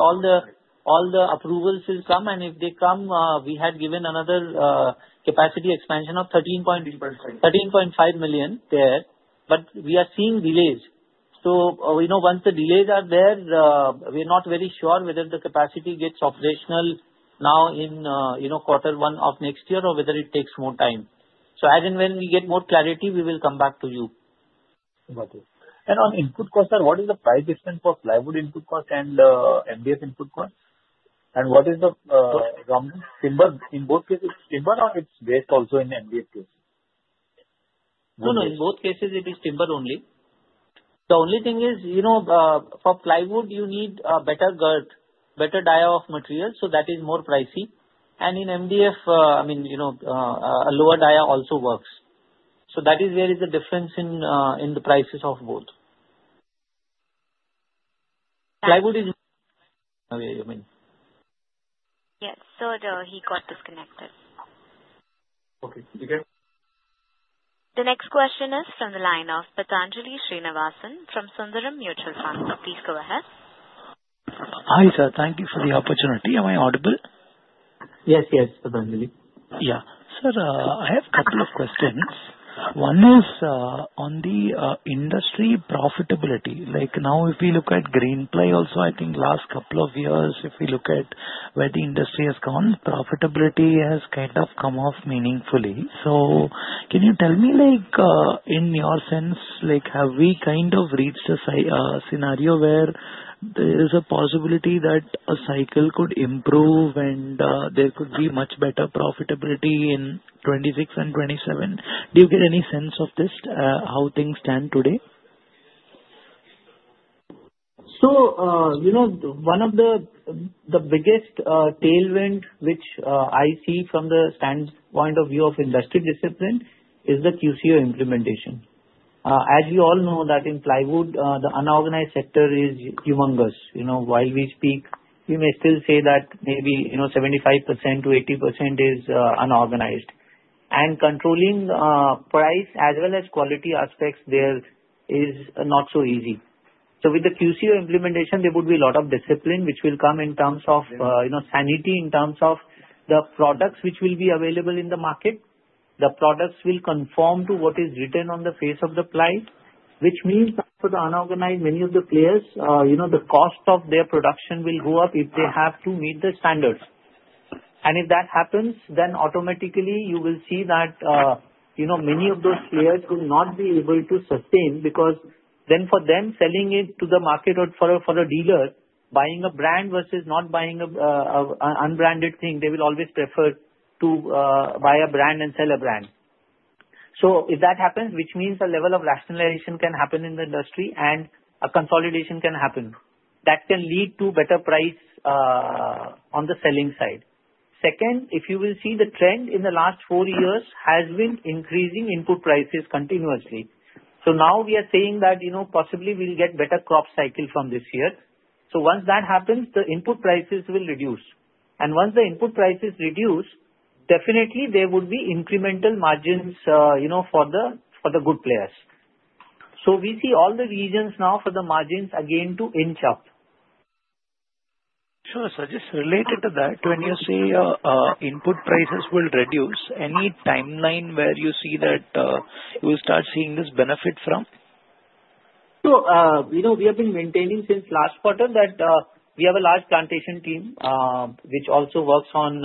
all the approvals will come. And if they come, we had given another capacity expansion of 13.5 million there. But we are seeing delays. So, once the delays are there, we're not very sure whether the capacity gets operational now in quarter one of next year or whether it takes more time. So, as and when we get more clarity, we will come back to you. Got it. And on input cost, sir, what is the price difference for plywood input cost and MDF input cost? And what is the timber in both cases, timber or it's based also in MDF case? No, no. In both cases, it is timber only. The only thing is, for plywood, you need a better grade, better dia of material. So, that is more pricey. And in MDF, I mean, a lower dia also works. So, that is where is the difference in the prices of both. Plywood is okay, I mean. Yes. Sir, he got disconnected. Okay. You okay? The next question is from the line of Patanjali Srinivasan from Sundaram Mutual Fund. Please go ahead. Hi, sir. Thank you for the opportunity. Am I audible? Yes, yes, Patanjali. Yeah. Sir, I have a couple of questions. One is on the industry profitability. Now, if we look at Greenply also, I think last couple of years, if we look at where the industry has gone, profitability has kind of come off meaningfully. So, can you tell me, in your sense, have we kind of reached a scenario where there is a possibility that a cycle could improve and there could be much better profitability in 26 and 27? Do you get any sense of this, how things stand today? So, one of the biggest tailwinds which I see from the standpoint of view of industry discipline is the QCO implementation. As we all know, that in plywood, the unorganized sector is humongous. While we speak, we may still say that maybe 75%-80% is unorganized. And controlling price as well as quality aspects there is not so easy. So, with the QCO implementation, there would be a lot of discipline which will come in terms of sanity, in terms of the products which will be available in the market. The products will conform to what is written on the face of the ply, which means for the unorganized, many of the players, the cost of their production will go up if they have to meet the standards. And if that happens, then automatically, you will see that many of those players will not be able to sustain because then for them, selling it to the market or for a dealer, buying a brand versus not buying an unbranded thing, they will always prefer to buy a brand and sell a brand. So, if that happens, which means a level of rationalization can happen in the industry and a consolidation can happen. That can lead to better price on the selling side. Second, if you will see the trend in the last four years has been increasing input prices continuously. So, now we are saying that possibly we'll get better crop cycle from this year. So, once that happens, the input prices will reduce. And once the input prices reduce, definitely, there would be incremental margins for the good players. So, we see all the reasons now for the margins again to inch up. Sure, sir. Just related to that, when you say input prices will reduce, any timeline where you see that you will start seeing this benefit from? So, we have been maintaining since last quarter that we have a large plantation team which also works on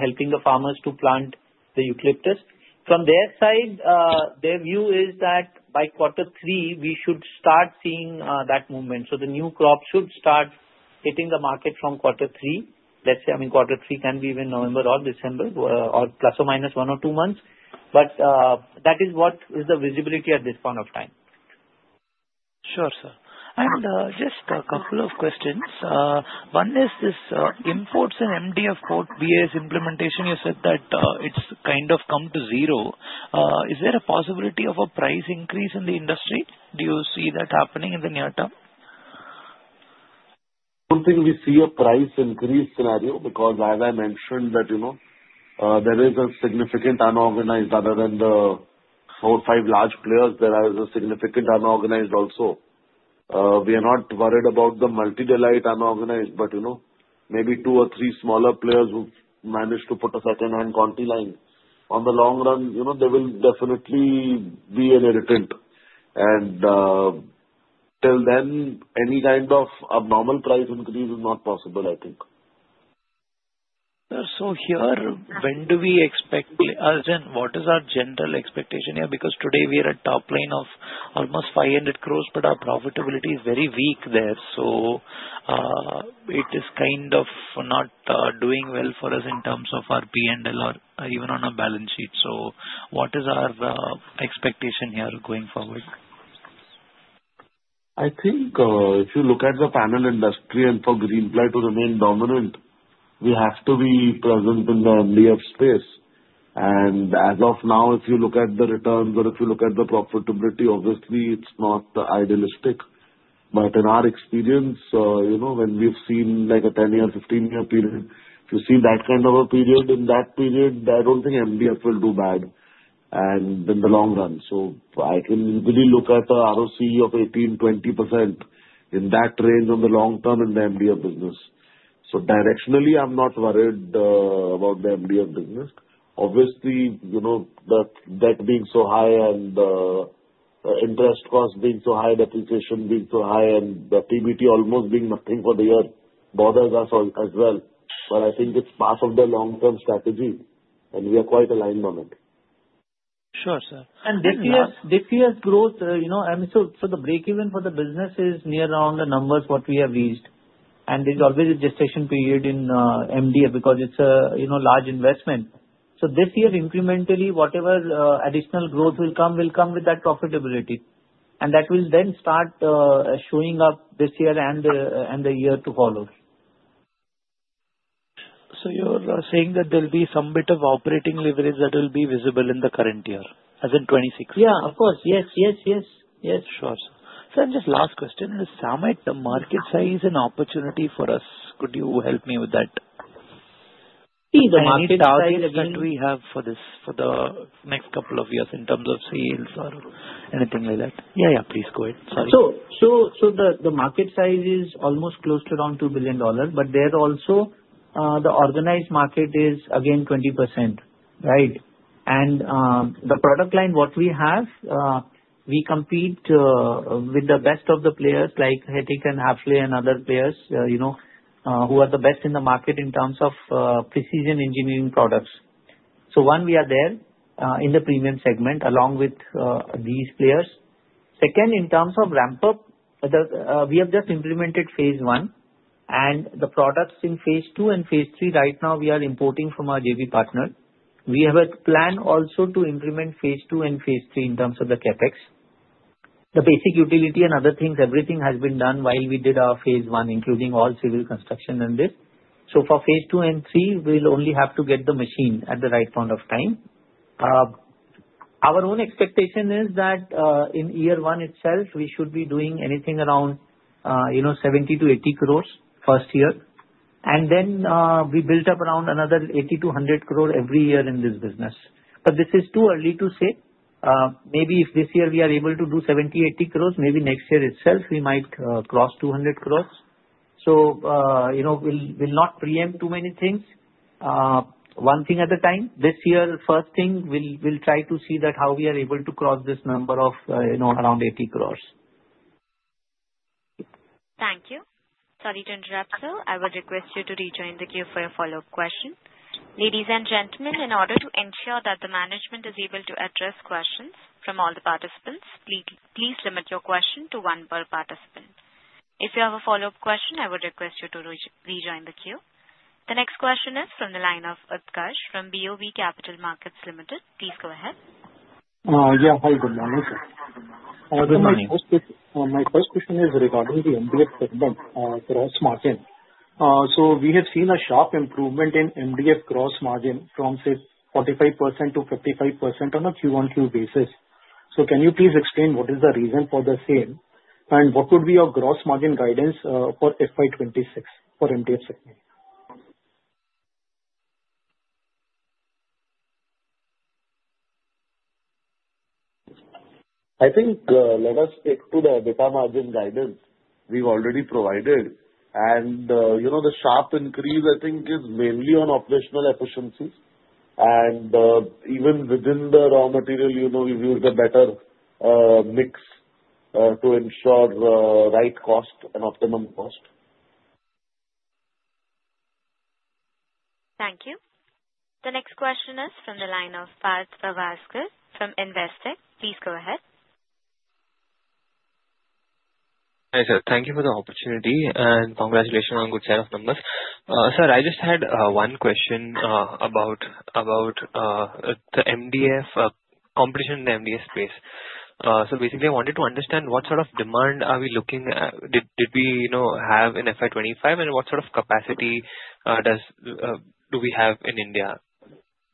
helping the farmers to plant the eucalyptus. From their side, their view is that by quarter three, we should start seeing that movement. So, the new crops should start hitting the market from quarter three. Let's say, I mean, quarter three can be even November or December or plus or minus one or two months. But that is what is the visibility at this point of time. Sure, sir. And just a couple of questions. One is this imports and MDF import BIS implementation, you said that it's kind of come to zero. Is there a possibility of a price increase in the industry? Do you see that happening in the near term? don't think we see a price increase scenario because, as I mentioned, that there is a significant unorganized other than the four or five large players. There is a significant unorganized also. We are not worried about the multi-dealer unorganized, but maybe two or three smaller players who manage to put a second-hand Chinese line. On the long run, there will definitely be an irritant, and till then, any kind of abnormal price increase is not possible, I think. So, here, when do we expect again, what is our general expectation here? Because today, we are at top line of almost 500 crore, but our profitability is very weak there. So, it is kind of not doing well for us in terms of our P&L or even on our balance sheet. So, what is our expectation here going forward? I think if you look at the panel industry and for Greenply to remain dominant, we have to be present in the MDF space, and as of now, if you look at the returns or if you look at the profitability, obviously, it's not idealistic, but in our experience, when we've seen a 10-year, 15-year period, if you see that kind of a period, in that period, I don't think MDF will do bad in the long run, so I can really look at the ROCE of 18%-20% in that range on the long term in the MDF business. So, directionally, I'm not worried about the MDF business. Obviously, the debt being so high and the interest cost being so high, depreciation being so high, and the PBT almost being nothing for the year bothers us as well. But I think it's part of the long-term strategy, and we are quite aligned on it. Sure, sir. This year's growth, I mean, so the break-even for the business is near around the numbers what we have reached. There's always a gestation period in MDF because it's a large investment. This year, incrementally, whatever additional growth will come, will come with that profitability. That will then start showing up this year and the year to follow. So, you're saying that there'll be some bit of operating leverage that will be visible in the current year, as in 26? Yeah, of course. Yes, yes, yes. Yes. Sure, sir. Sir, just last question. Is Samet market size an opportunity for us? Could you help me with that? See, the market size. The market size that we have for this, for the next couple of years in terms of sales or anything like that? Yeah, yeah. Please go ahead. Sorry. The market size is almost close to around $2 billion. There also, the organized market is again 20%, right? The product line, what we have, we compete with the best of the players like Hettich and Hafele and other players who are the best in the market in terms of precision engineering products. One, we are there in the premium segment along with these players. Second, in terms of ramp-up, we have just implemented phase one. The products in phase two and phase three, right now, we are importing from our JV partner. We have a plan also to implement phase two and phase three in terms of the CAPEX. The basic utility and other things, everything has been done while we did our phase one, including all civil construction and this. For phase two and three, we'll only have to get the machine at the right point of time. Our own expectation is that in year one itself, we should be doing anything around 70 crore-80 crore first year. And then we built up around another 80 crore-100 crore every year in this business. But this is too early to say. Maybe if this year we are able to do 70 crore-80 crore, maybe next year itself, we might cross 200 crore. We'll not preempt too many things. One thing at a time. This year, first thing, we'll try to see how we are able to cross this number of around 80 crore. Thank you. Sorry to interrupt, sir. I would request you to rejoin the queue for a follow-up question. Ladies and gentlemen, in order to ensure that the management is able to address questions from all the participants, please limit your question to one per participant. If you have a follow-up question, I would request you to rejoin the queue. The next question is from the line of Utkarsh from BOB Capital Markets Limited. Please go ahead. Yeah. Hi. Good morning, sir. My first question is regarding the MDF segment gross margin. So, we have seen a sharp improvement in MDF gross margin from 45% to 55% on a QoQ basis. So, can you please explain what is the reason for the same? And what would be your gross margin guidance for FY26 for MDF segment? I think let us stick to the EBITDA margin guidance we've already provided. And the sharp increase, I think, is mainly on operational efficiencies. And even within the raw material, we've used a better mix to ensure right cost and optimum cost. Thank you. The next question is from the line of Parth Prabhakar from Investec. Please go ahead. Hi, sir. Thank you for the opportunity and congratulations on a good set of numbers. Sir, I just had one question about the competition in the MDF space. So, basically, I wanted to understand what sort of demand are we looking at, did we have in FY25, and what sort of capacity do we have in India,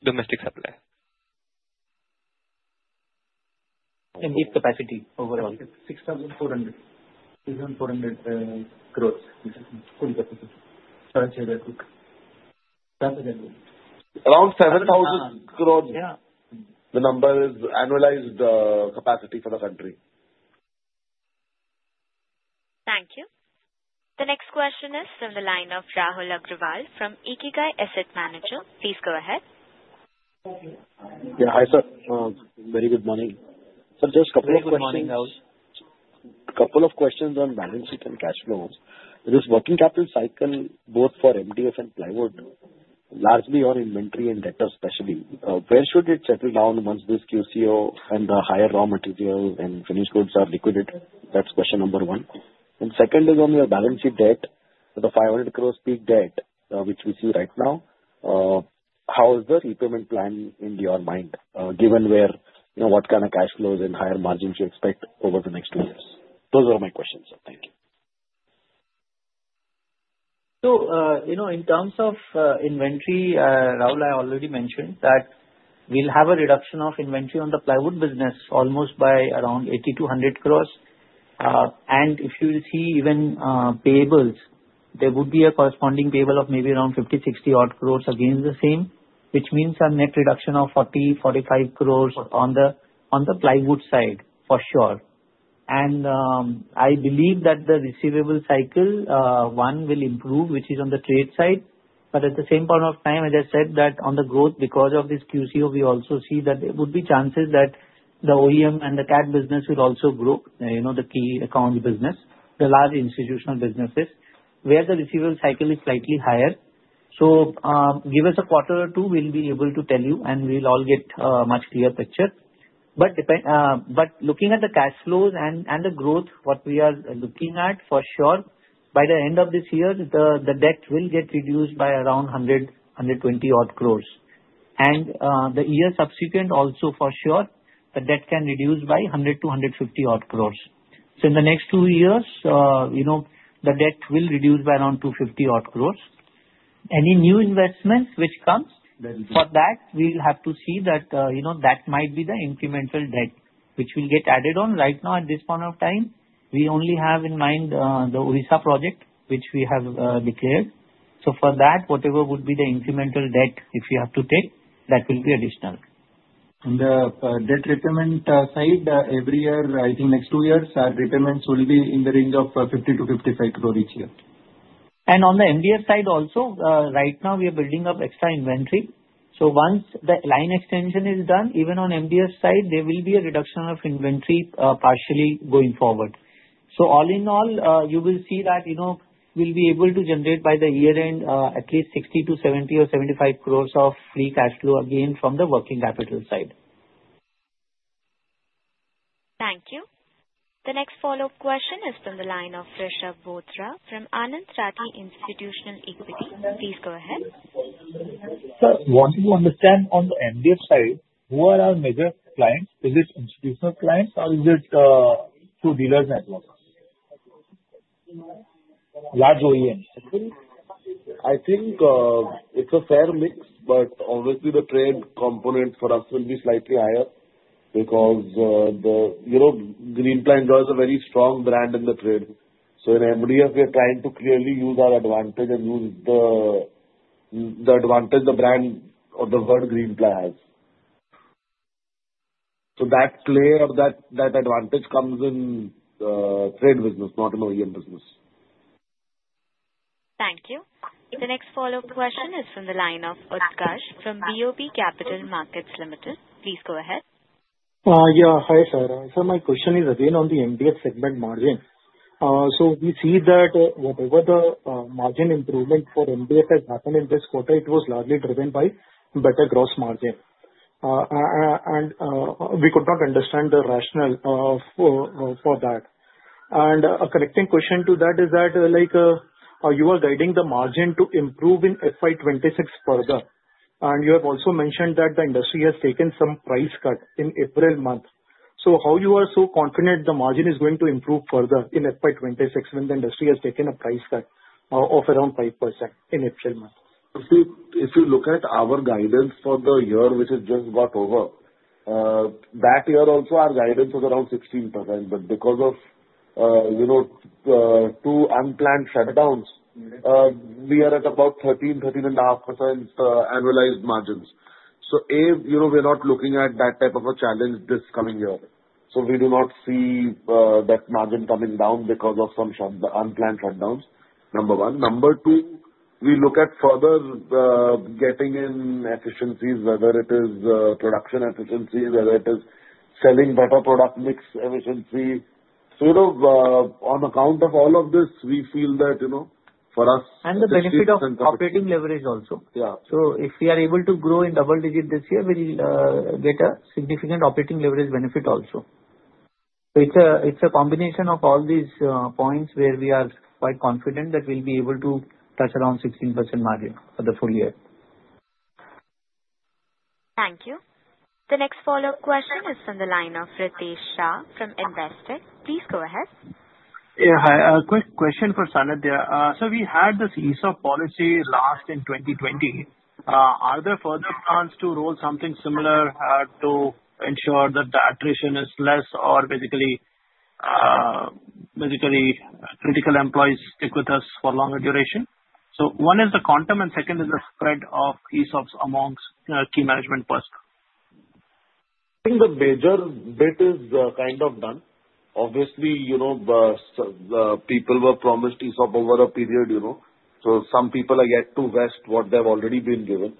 domestic supply. The capacity overall. 6,400. 6,400 crores is the full capacity. Around 7,000 crores. The number is annualized capacity for the country. Thank you. The next question is from the line of Rahul Agarwal from Ikigai Asset Management. Please go ahead. Yeah. Hi, sir. Very good morning. Sir, just a couple of questions. Good morning, Rahul. couple of questions on balance sheet and cash flows. This working capital cycle, both for MDF and plywood, largely on inventory and debtors, especially, where should it settle down once this QCO and the higher raw materials and finished goods are liquidated? That's question number one. And second is on your balance sheet debt, the 500 crore peak debt which we see right now, how is the repayment plan in your mind given what kind of cash flows and higher margins you expect over the next two years? Those are my questions, sir. Thank you. In terms of inventory, Rahul, I already mentioned that we'll have a reduction of inventory on the plywood business almost by around 80-100 crore. And if you see even payables, there would be a corresponding payable of maybe around 50-60 crore again the same, which means a net reduction of 40-45 crore on the plywood side for sure. And I believe that the receivable cycle, one, will improve, which is on the trade side. But at the same point of time, as I said, that on the growth, because of this QCO, we also see that there would be chances that the OEM and the KA business will also grow, the key accounts business, the large institutional businesses, where the receivable cycle is slightly higher. So, give us a quarter or two, we'll be able to tell you, and we'll all get a much clearer picture. But looking at the cash flows and the growth, what we are looking at for sure, by the end of this year, the debt will get reduced by around 100-120 crores. And the year subsequent also, for sure, the debt can reduce by 100-150 crores. So, in the next two years, the debt will reduce by around 250 crores. Any new investments which comes for that, we'll have to see that that might be the incremental debt which will get added on. Right now, at this point of time, we only have in mind the Odisha project which we have declared. So, for that, whatever would be the incremental debt if you have to take, that will be additional. On the debt repayment side, every year, I think next two years, our repayments will be in the range of 50-55 crore each year. And on the MDF side also, right now, we are building up extra inventory. So, once the line extension is done, even on MDF side, there will be a reduction of inventory partially going forward. So, all in all, you will see that we'll be able to generate by the year-end at least 60 crore-70 crore or 75 crore of free cash flow again from the working capital side. Thank you. The next follow-up question is from the line of Rishab Bothra from Anand Rathi Institutional Equities. Please go ahead. Sir, wanting to understand on the MDF side, who are our major clients? Is it institutional clients, or is it through dealers network? Large OEMs. I think it's a fair mix, but obviously, the trade component for us will be slightly higher because Greenply enjoys a very strong brand in the trade. So, in MDF, we are trying to clearly use our advantage and use the advantage the brand or the word Greenply has. So, that play or that advantage comes in trade business, not in OEM business. Thank you. The next follow-up question is from the line of Utkarsh from BOB Capital Markets Limited. Please go ahead. Yeah. Hi, sir. Sir, my question is again on the MDF segment margin. So, we see that whatever the margin improvement for MDF has happened in this quarter, it was largely driven by better gross margin. And we could not understand the rationale for that. And a connecting question to that is that you are guiding the margin to improve in FY26 further. And you have also mentioned that the industry has taken some price cut in April month. So, how are you so confident the margin is going to improve further in FY26 when the industry has taken a price cut of around 5% in April month? If you look at our guidance for the year, which has just got over, that year also, our guidance was around 16%. But because of two unplanned shutdowns, we are at about 13, 13 and a half % annualized margins. So, A, we're not looking at that type of a challenge this coming year. So, we do not see that margin coming down because of some unplanned shutdowns, number one. Number two, we look at further getting in efficiencies, whether it is production efficiency, whether it is selling better product mix efficiency. So, on account of all of this, we feel that for us. And the benefit of operating leverage also. Yeah. So, if we are able to grow in double digit this year, we'll get a significant operating leverage benefit also. It's a combination of all these points where we are quite confident that we'll be able to touch around 16% margin for the full year. Thank you. The next follow-up question is from the line of Ritesh Shah from Investec. Please go ahead. Yeah. Hi. Quick question for Sanidhya here. Sir, we had this ESOP policy last in 2020. Are there further plans to roll something similar to ensure that the attrition is less or basically critical employees stick with us for longer duration? So, one is the quantum, and second is the spread of ESOPs amongst key management personnel. I think the major bit is kind of done. Obviously, people were promised ESOP over a period. So, some people are yet to vest what they've already been given.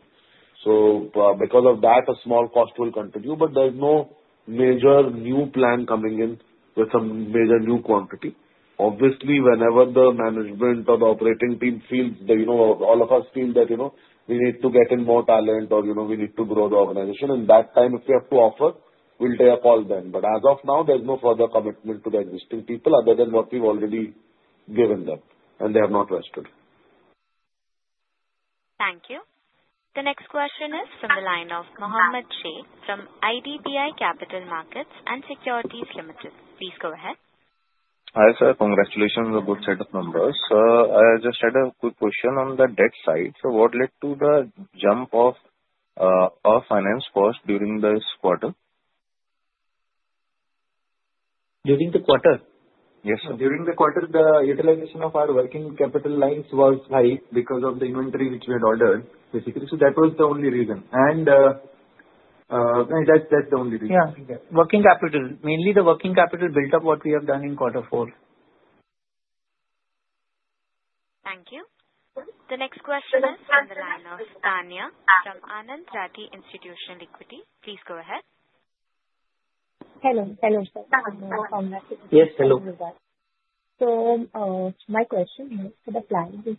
So, because of that, a small cost will continue. But there's no major new plan coming in with some major new quantity. Obviously, whenever the management or the operating team feels that all of us feel that we need to get in more talent or we need to grow the organization, in that time, if we have to offer, we'll take a call then. But as of now, there's no further commitment to the existing people other than what we've already given them, and they have not vested. Thank you. The next question is from the line of Mohammad Shan from IDBI Capital Markets & Securities Limited. Please go ahead. Hi, sir. Congratulations on the good set of numbers. I just had a quick question on the debt side. So, what led to the jump of our finance cost during this quarter? During the quarter? Yes, sir. During the quarter, the utilization of our working capital lines was high because of the inventory which we had ordered, basically. So, that was the only reason, and that's the only reason. Yeah. Working capital. Mainly the working capital built up, what we have done in quarter four. Thank you. The next question is from the line of Tania from Anand Rathi Institutional Equities. Please go ahead. Hello. Hello, sir. Yes. Hello. My question for the plan is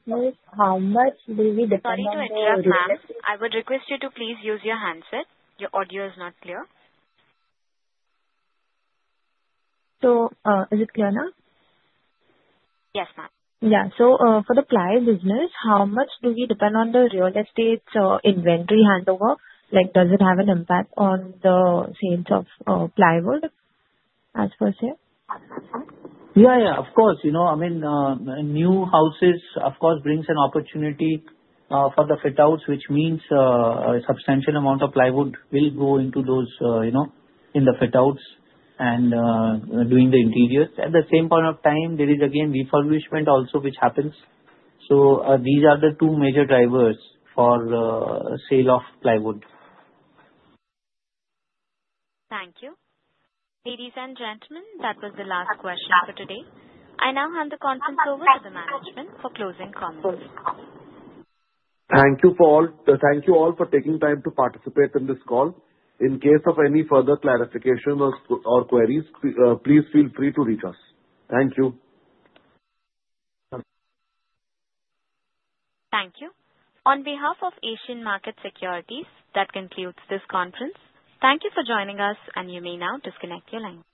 how much do we depend on real estate? Sorry to interrupt, ma'am. I would request you to please use your handset. Your audio is not clear. Is it clear now? Yes, ma'am. Yeah, so for the plywood business, how much do we depend on the real estate inventory handover? Does it have an impact on the sales of plywood per se? Yeah. Yeah. Of course. I mean, new houses, of course, brings an opportunity for the fit-outs, which means a substantial amount of plywood will go into those in the fit-outs and doing the interiors. At the same point of time, there is, again, refurbishment also which happens. So, these are the two major drivers for sale of plywood. Thank you. Ladies and gentlemen, that was the last question for today. I now hand the conference over to the management for closing comments. Thank you all for taking time to participate in this call. In case of any further clarification or queries, please feel free to reach us. Thank you. Thank you. On behalf of Asian Market Securities, that concludes this conference. Thank you for joining us, and you may now disconnect your line.